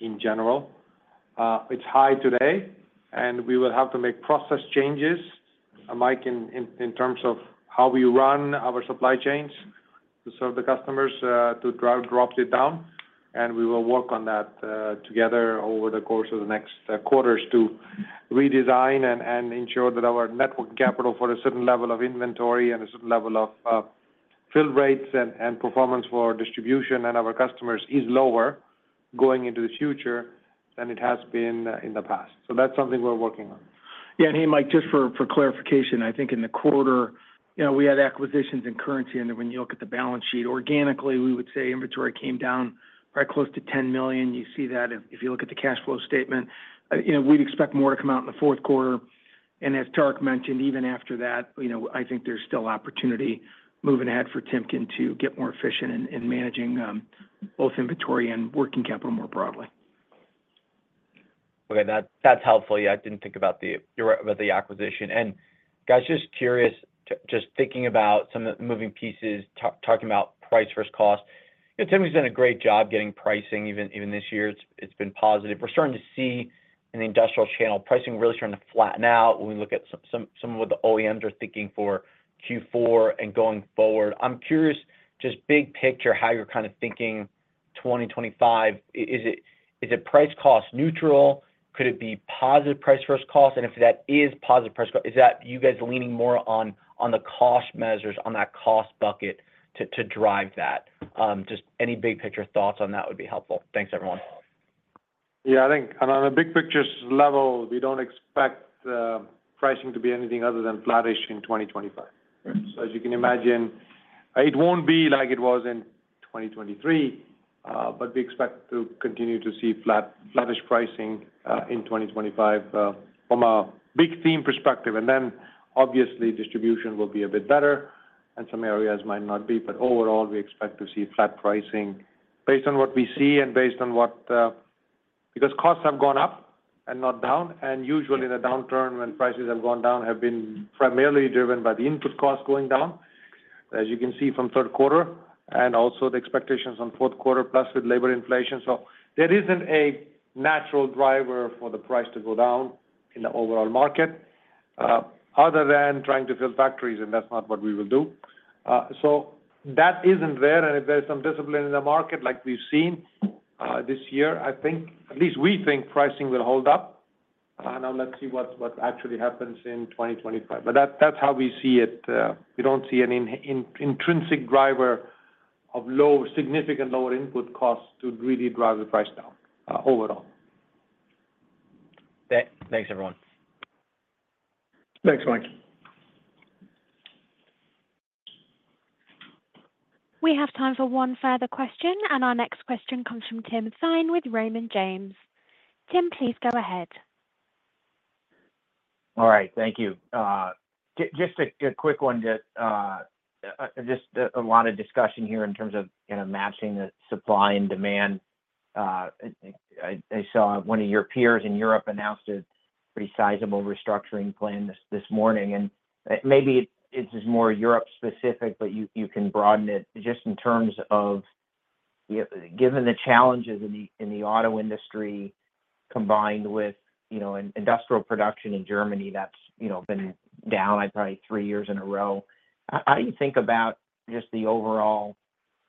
in general. It's high today, and we will have to make process changes, Mike, in terms of how we run our supply chains to serve the customers, to drop it down. We will work on that together over the course of the next quarters to redesign and ensure that our net working capital for a certain level of inventory and a certain level of fill rates and performance for distribution and our customers is lower going into the future than it has been in the past. So that's something we're working on.
Yeah. And hey, Mike, just for clarification, I think in the quarter, we had acquisitions and currency. And when you look at the balance sheet, organically, we would say inventory came down right close to $10 million. You see that if you look at the cash flow statement. We'd expect more to come out in the fourth quarter. And as Tarak mentioned, even after that, I think there's still opportunity moving ahead for Timken to get more efficient in managing both inventory and working capital more broadly.
Okay. That's helpful. Yeah. I didn't think about the acquisition. And guys, just curious, just thinking about some of the moving pieces, talking about price versus cost, Timken's done a great job getting pricing even this year. It's been positive. We're starting to see in the industrial channel pricing really starting to flatten out when we look at some of what the OEMs are thinking for Q4 and going forward. I'm curious, just big picture, how you're kind of thinking 2025. Is it price cost neutral? Could it be positive price versus cost? And if that is positive price cost, is that you guys leaning more on the cost measures, on that cost bucket to drive that? Just any big picture thoughts on that would be helpful. Thanks, everyone.
Yeah. I think on a big picture level, we don't expect pricing to be anything other than flattish in 2025. So as you can imagine, it won't be like it was in 2023, but we expect to continue to see flattish pricing in 2025 from a big theme perspective. And then, obviously, distribution will be a bit better, and some areas might not be. But overall, we expect to see flat pricing based on what we see and based on what, because costs have gone up and not down. And usually, in a downturn, when prices have gone down, have been primarily driven by the input cost going down, as you can see from third quarter, and also the expectations on fourth quarter, plus with labor inflation. So there isn't a natural driver for the price to go down in the overall market other than trying to fill factories, and that's not what we will do. So that isn't there. And if there's some discipline in the market like we've seen this year, I think, at least we think pricing will hold up. Now, let's see what actually happens in 2025. But that's how we see it. We don't see an intrinsic driver of significant lower input costs to really drive the price down overall.
Thanks, everyone.
Thanks, Mike.
We have time for one further question, and our next question comes from Tim Thein with Raymond James. Tim, please go ahead.
All right. Thank you. Just a quick one. Just a lot of discussion here in terms of matching the supply and demand. I saw one of your peers in Europe announced a pretty sizable restructuring plan this morning. And maybe it's just more Europe specific, but you can broaden it just in terms of given the challenges in the auto industry combined with industrial production in Germany that's been down. I'd say probably three years in a row. How do you think about just the overall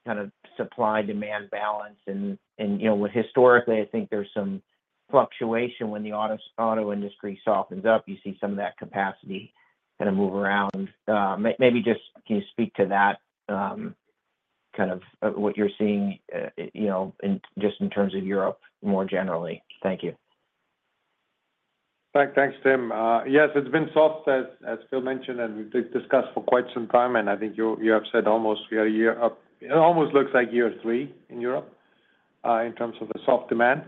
kind of supply-demand balance? And with historically, I think there's some fluctuation when the auto industry softens up. You see some of that capacity kind of move around. Maybe just can you speak to that kind of what you're seeing just in terms of Europe more generally? Thank you.
Thanks, Tim. Yes, it's been soft, as Phil mentioned, and we've discussed for quite some time. And I think, as you have said, it almost looks like year three in Europe in terms of the soft demand.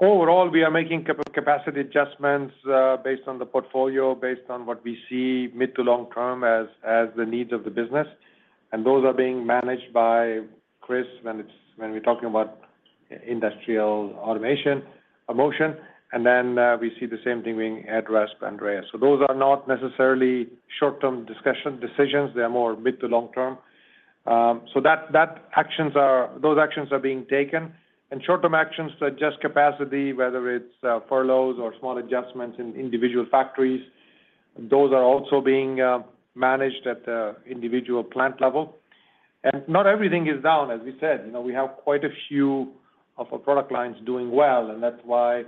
Overall, we are making capacity adjustments based on the portfolio, based on what we see mid to long term as the needs of the business. And those are being managed by Chris when we're talking about Industrial Motion. And then we see the same thing being addressed by Andreas. So those are not necessarily short-term decisions. They're more mid to long term. So those actions are being taken. And short-term actions to adjust capacity, whether it's furloughs or small adjustments in individual factories, those are also being managed at the individual plant level. And not everything is down, as we said. We have quite a few of our product lines doing well, and that's why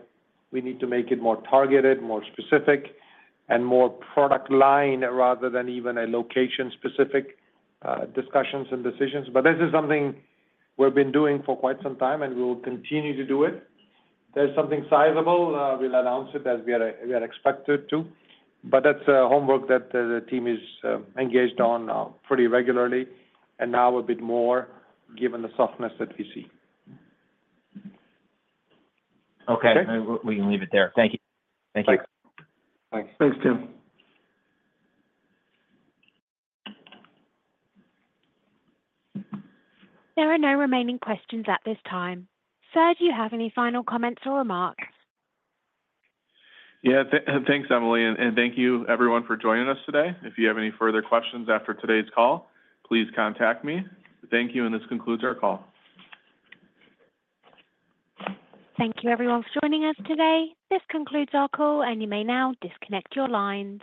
we need to make it more targeted, more specific, and more product line rather than even a location-specific discussions and decisions. But this is something we've been doing for quite some time, and we will continue to do it. There's something sizable. We'll announce it as we are expected to. But that's homework that the team is engaged on pretty regularly and now a bit more given the softness that we see.
Okay. We can leave it there. Thank you. Thank you.
Thanks.
Thanks, Tim.
There are no remaining questions at this time. Sir, do you have any final comments or remarks?
Yeah. Thanks, Emily. And thank you, everyone, for joining us today. If you have any further questions after today's call, please contact me. Thank you. And this concludes our call.
Thank you, everyone, for joining us today. This concludes our call, and you may now disconnect your lines.